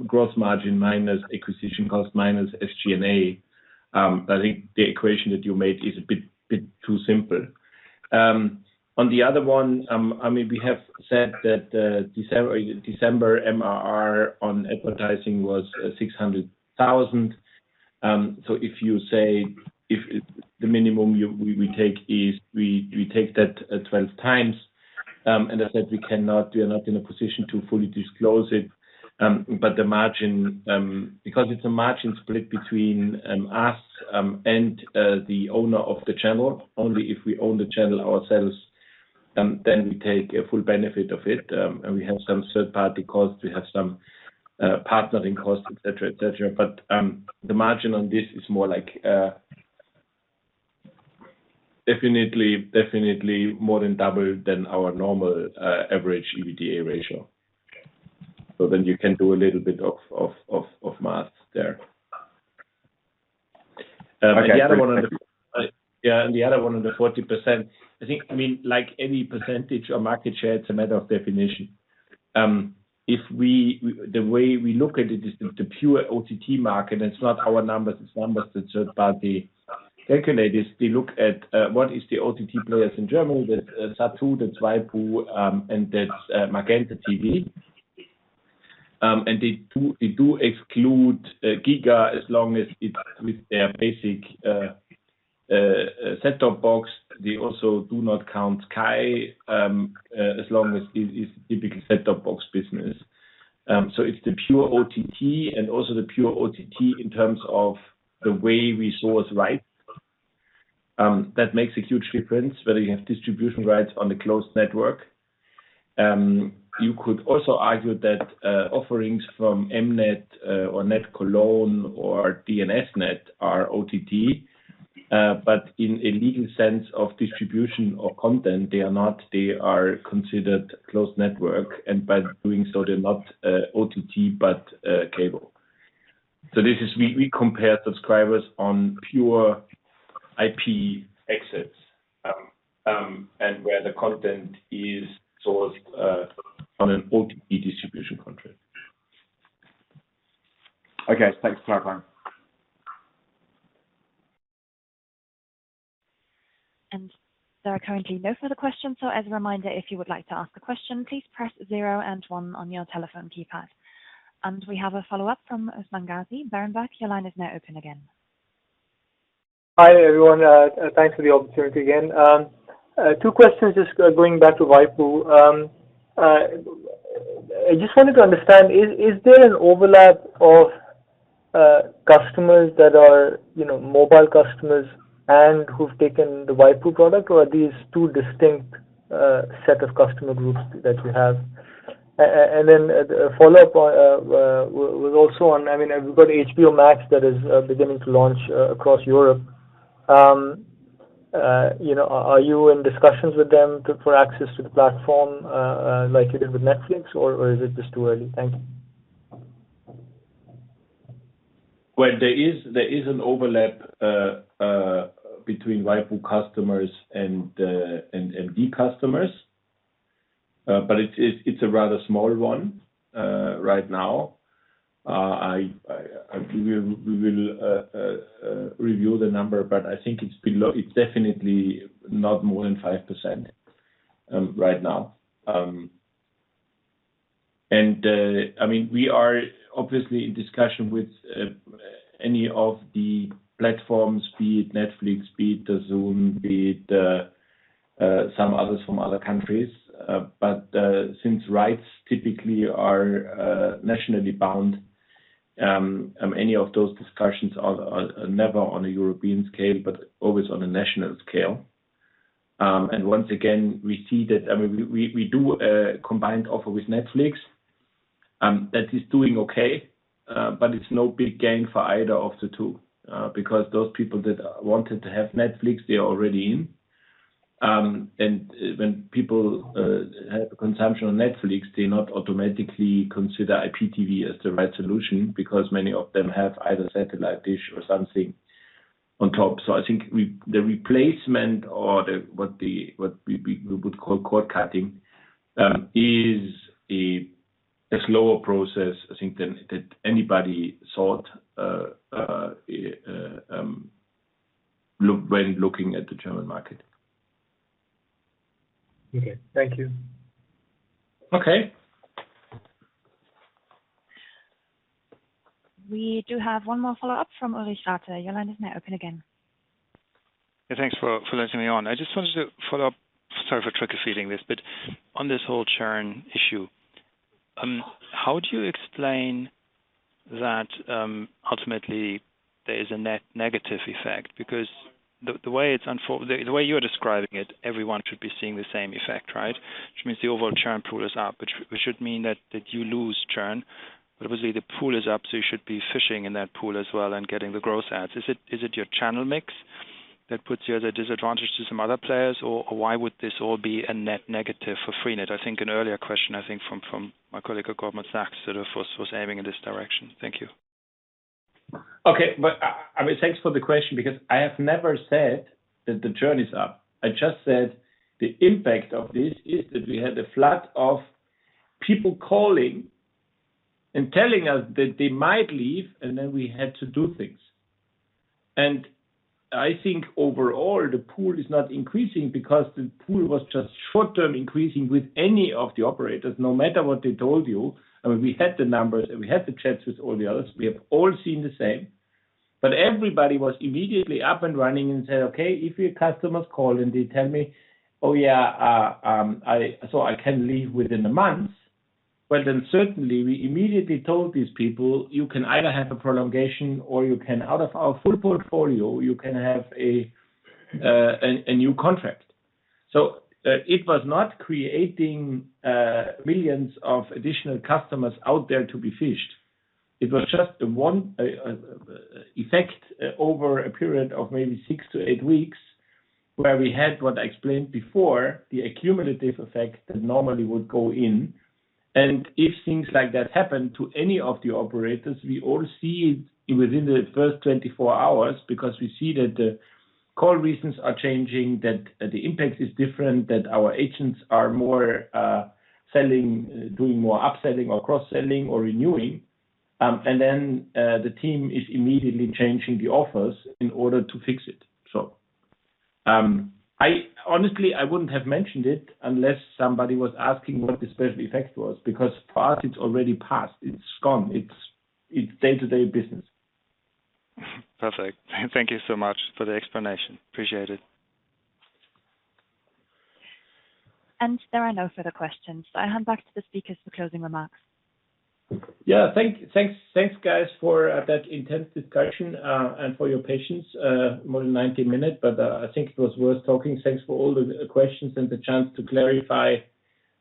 gross margin minus acquisition cost minus SG&A. I think the equation that you made is a bit too simple. On the other one, I mean, we have said that December MRR on advertising was 600,000. So if you say if the minimum we take is we take that at 12x, and I said we cannot, we are not in a position to fully disclose it. But the margin, because it is a margin split between us and the owner of the channel. Only if we own the channel ourselves, then we take a full benefit of it. We have some third-party costs. We have some partnering costs, et cetera. The margin on this is more like definitely more than double than our normal average EBITDA ratio. You can do a little bit of math there. Okay. Yeah, the other one on the 40%, I think, I mean, like any percentage or market share, it's a matter of definition. The way we look at it is the pure OTT market, it's not our numbers. It's numbers that third-party calculators. They look at what is the OTT players in Germany, the Zattoo, the waipu and MagentaTV. They exclude Giga as long as it's with their basic set-top box. They also do not count Sky as long as it is typical set-top box business. It's the pure OTT and also the pure OTT in terms of the way we source rights. That makes a huge difference, whether you have distribution rights on a closed network. You could also argue that offerings from M-net, or NetCologne or DNS:NET are OTT. In a legal sense of distribution of content, they are not. They are considered closed network, and by doing so they're not OTT, but cable. This is we compare subscribers on pure IP basis, and where the content is sourced on an OTT distribution contract. Okay. Thanks, Christoph. There are currently no further questions. As a reminder, if you would like to ask a question, please press zero and one on your telephone keypad. We have a follow-up from Usman Ghazi. Berenberg, your line is now open again. Hi, everyone. Thanks for the opportunity again. Two questions just going back to waipu. I just wanted to understand, is there an overlap of customers that are, you know, mobile customers and who've taken the waipu product, or are these two distinct set of customer groups that you have? And then a follow-up, was also on, I mean, we've got HBO Max that is beginning to launch across Europe. You know, are you in discussions with them to for access to the platform, like you did with Netflix, or is it just too early? Thank you. Well, there is an overlap between waipu.tv customers and MD customers, but it's a rather small one right now. We will review the number, but I think it's below 5% right now. I mean, we are obviously in discussion with any of the platforms, be it Netflix, be it DAZN, be it some others from other countries. Since rights typically are nationally bound, any of those discussions are never on a European scale, but always on a national scale. Once again, we see that, I mean, we do a combined offer with Netflix that is doing okay, but it's no big gain for either of the two. Because those people that wanted to have Netflix, they are already in. When people have consumption on Netflix, they not automatically consider IPTV as the right solution because many of them have either satellite dish or something on top. I think the replacement or what we would call cord-cutting is a slower process, I think, than anybody thought, look, when looking at the German market. Okay. Thank you. Okay. We do have one more follow-up from Ulrich Rathe. Your line is now open again. Yeah, thanks for letting me on. I just wanted to follow up, sorry for taking so long on this, but on this whole churn issue, how do you explain that ultimately there is a net negative effect? Because the way you're describing it, everyone should be seeing the same effect, right? Which means the overall churn pool is up, which should mean that you lose churn. But obviously the pool is up, so you should be fishing in that pool as well and getting the growth adds. Is it your channel mix that puts you at a disadvantage to some other players, or why would this all be a net negative for freenet? I think an earlier question, I think from my colleague at Goldman Sachs sort of was aiming in this direction. Thank you. Okay. I mean, thanks for the question because I have never said that the churn is up. I just said the impact of this is that we had a flood of people calling and telling us that they might leave, and then we had to do things. I think overall the pool is not increasing because the pool was just short-term increasing with any of the operators, no matter what they told you. I mean, we had the numbers, we had the chats with all the others. We have all seen the same. Everybody was immediately up and running and said, "Okay, if your customers call and they tell me, oh, yeah, I can leave within a month." Well, then certainly we immediately told these people, "You can either have a prolongation or you can out of our full portfolio, you can have a new contract." It was not creating millions of additional customers out there to be fished. It was just the one effect over a period of maybe six to eight weeks, where we had what I explained before, the accumulative effect that normally would go in. If things like that happen to any of the operators, we all see it within the first 24 hours because we see that the call reasons are changing, that the impact is different, that our agents are more selling, doing more upselling or cross-selling or renewing. The team is immediately changing the offers in order to fix it. I honestly I wouldn't have mentioned it unless somebody was asking what the special effect was, because for us, it's already passed. It's gone. It's day-to-day business. Perfect. Thank you so much for the explanation. Appreciate it. There are no further questions. I hand back to the speakers for closing remarks. Yeah. Thanks, guys, for that intense discussion and for your patience more than 90 minutes, but I think it was worth talking. Thanks for all the questions and the chance to clarify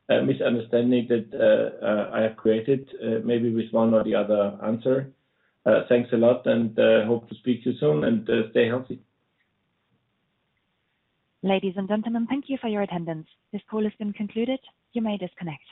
misunderstanding that I have created, maybe with one or the other answer. Thanks a lot and hope to speak to you soon and stay healthy. Ladies and gentlemen, thank you for your attendance. This call has been concluded. You may disconnect.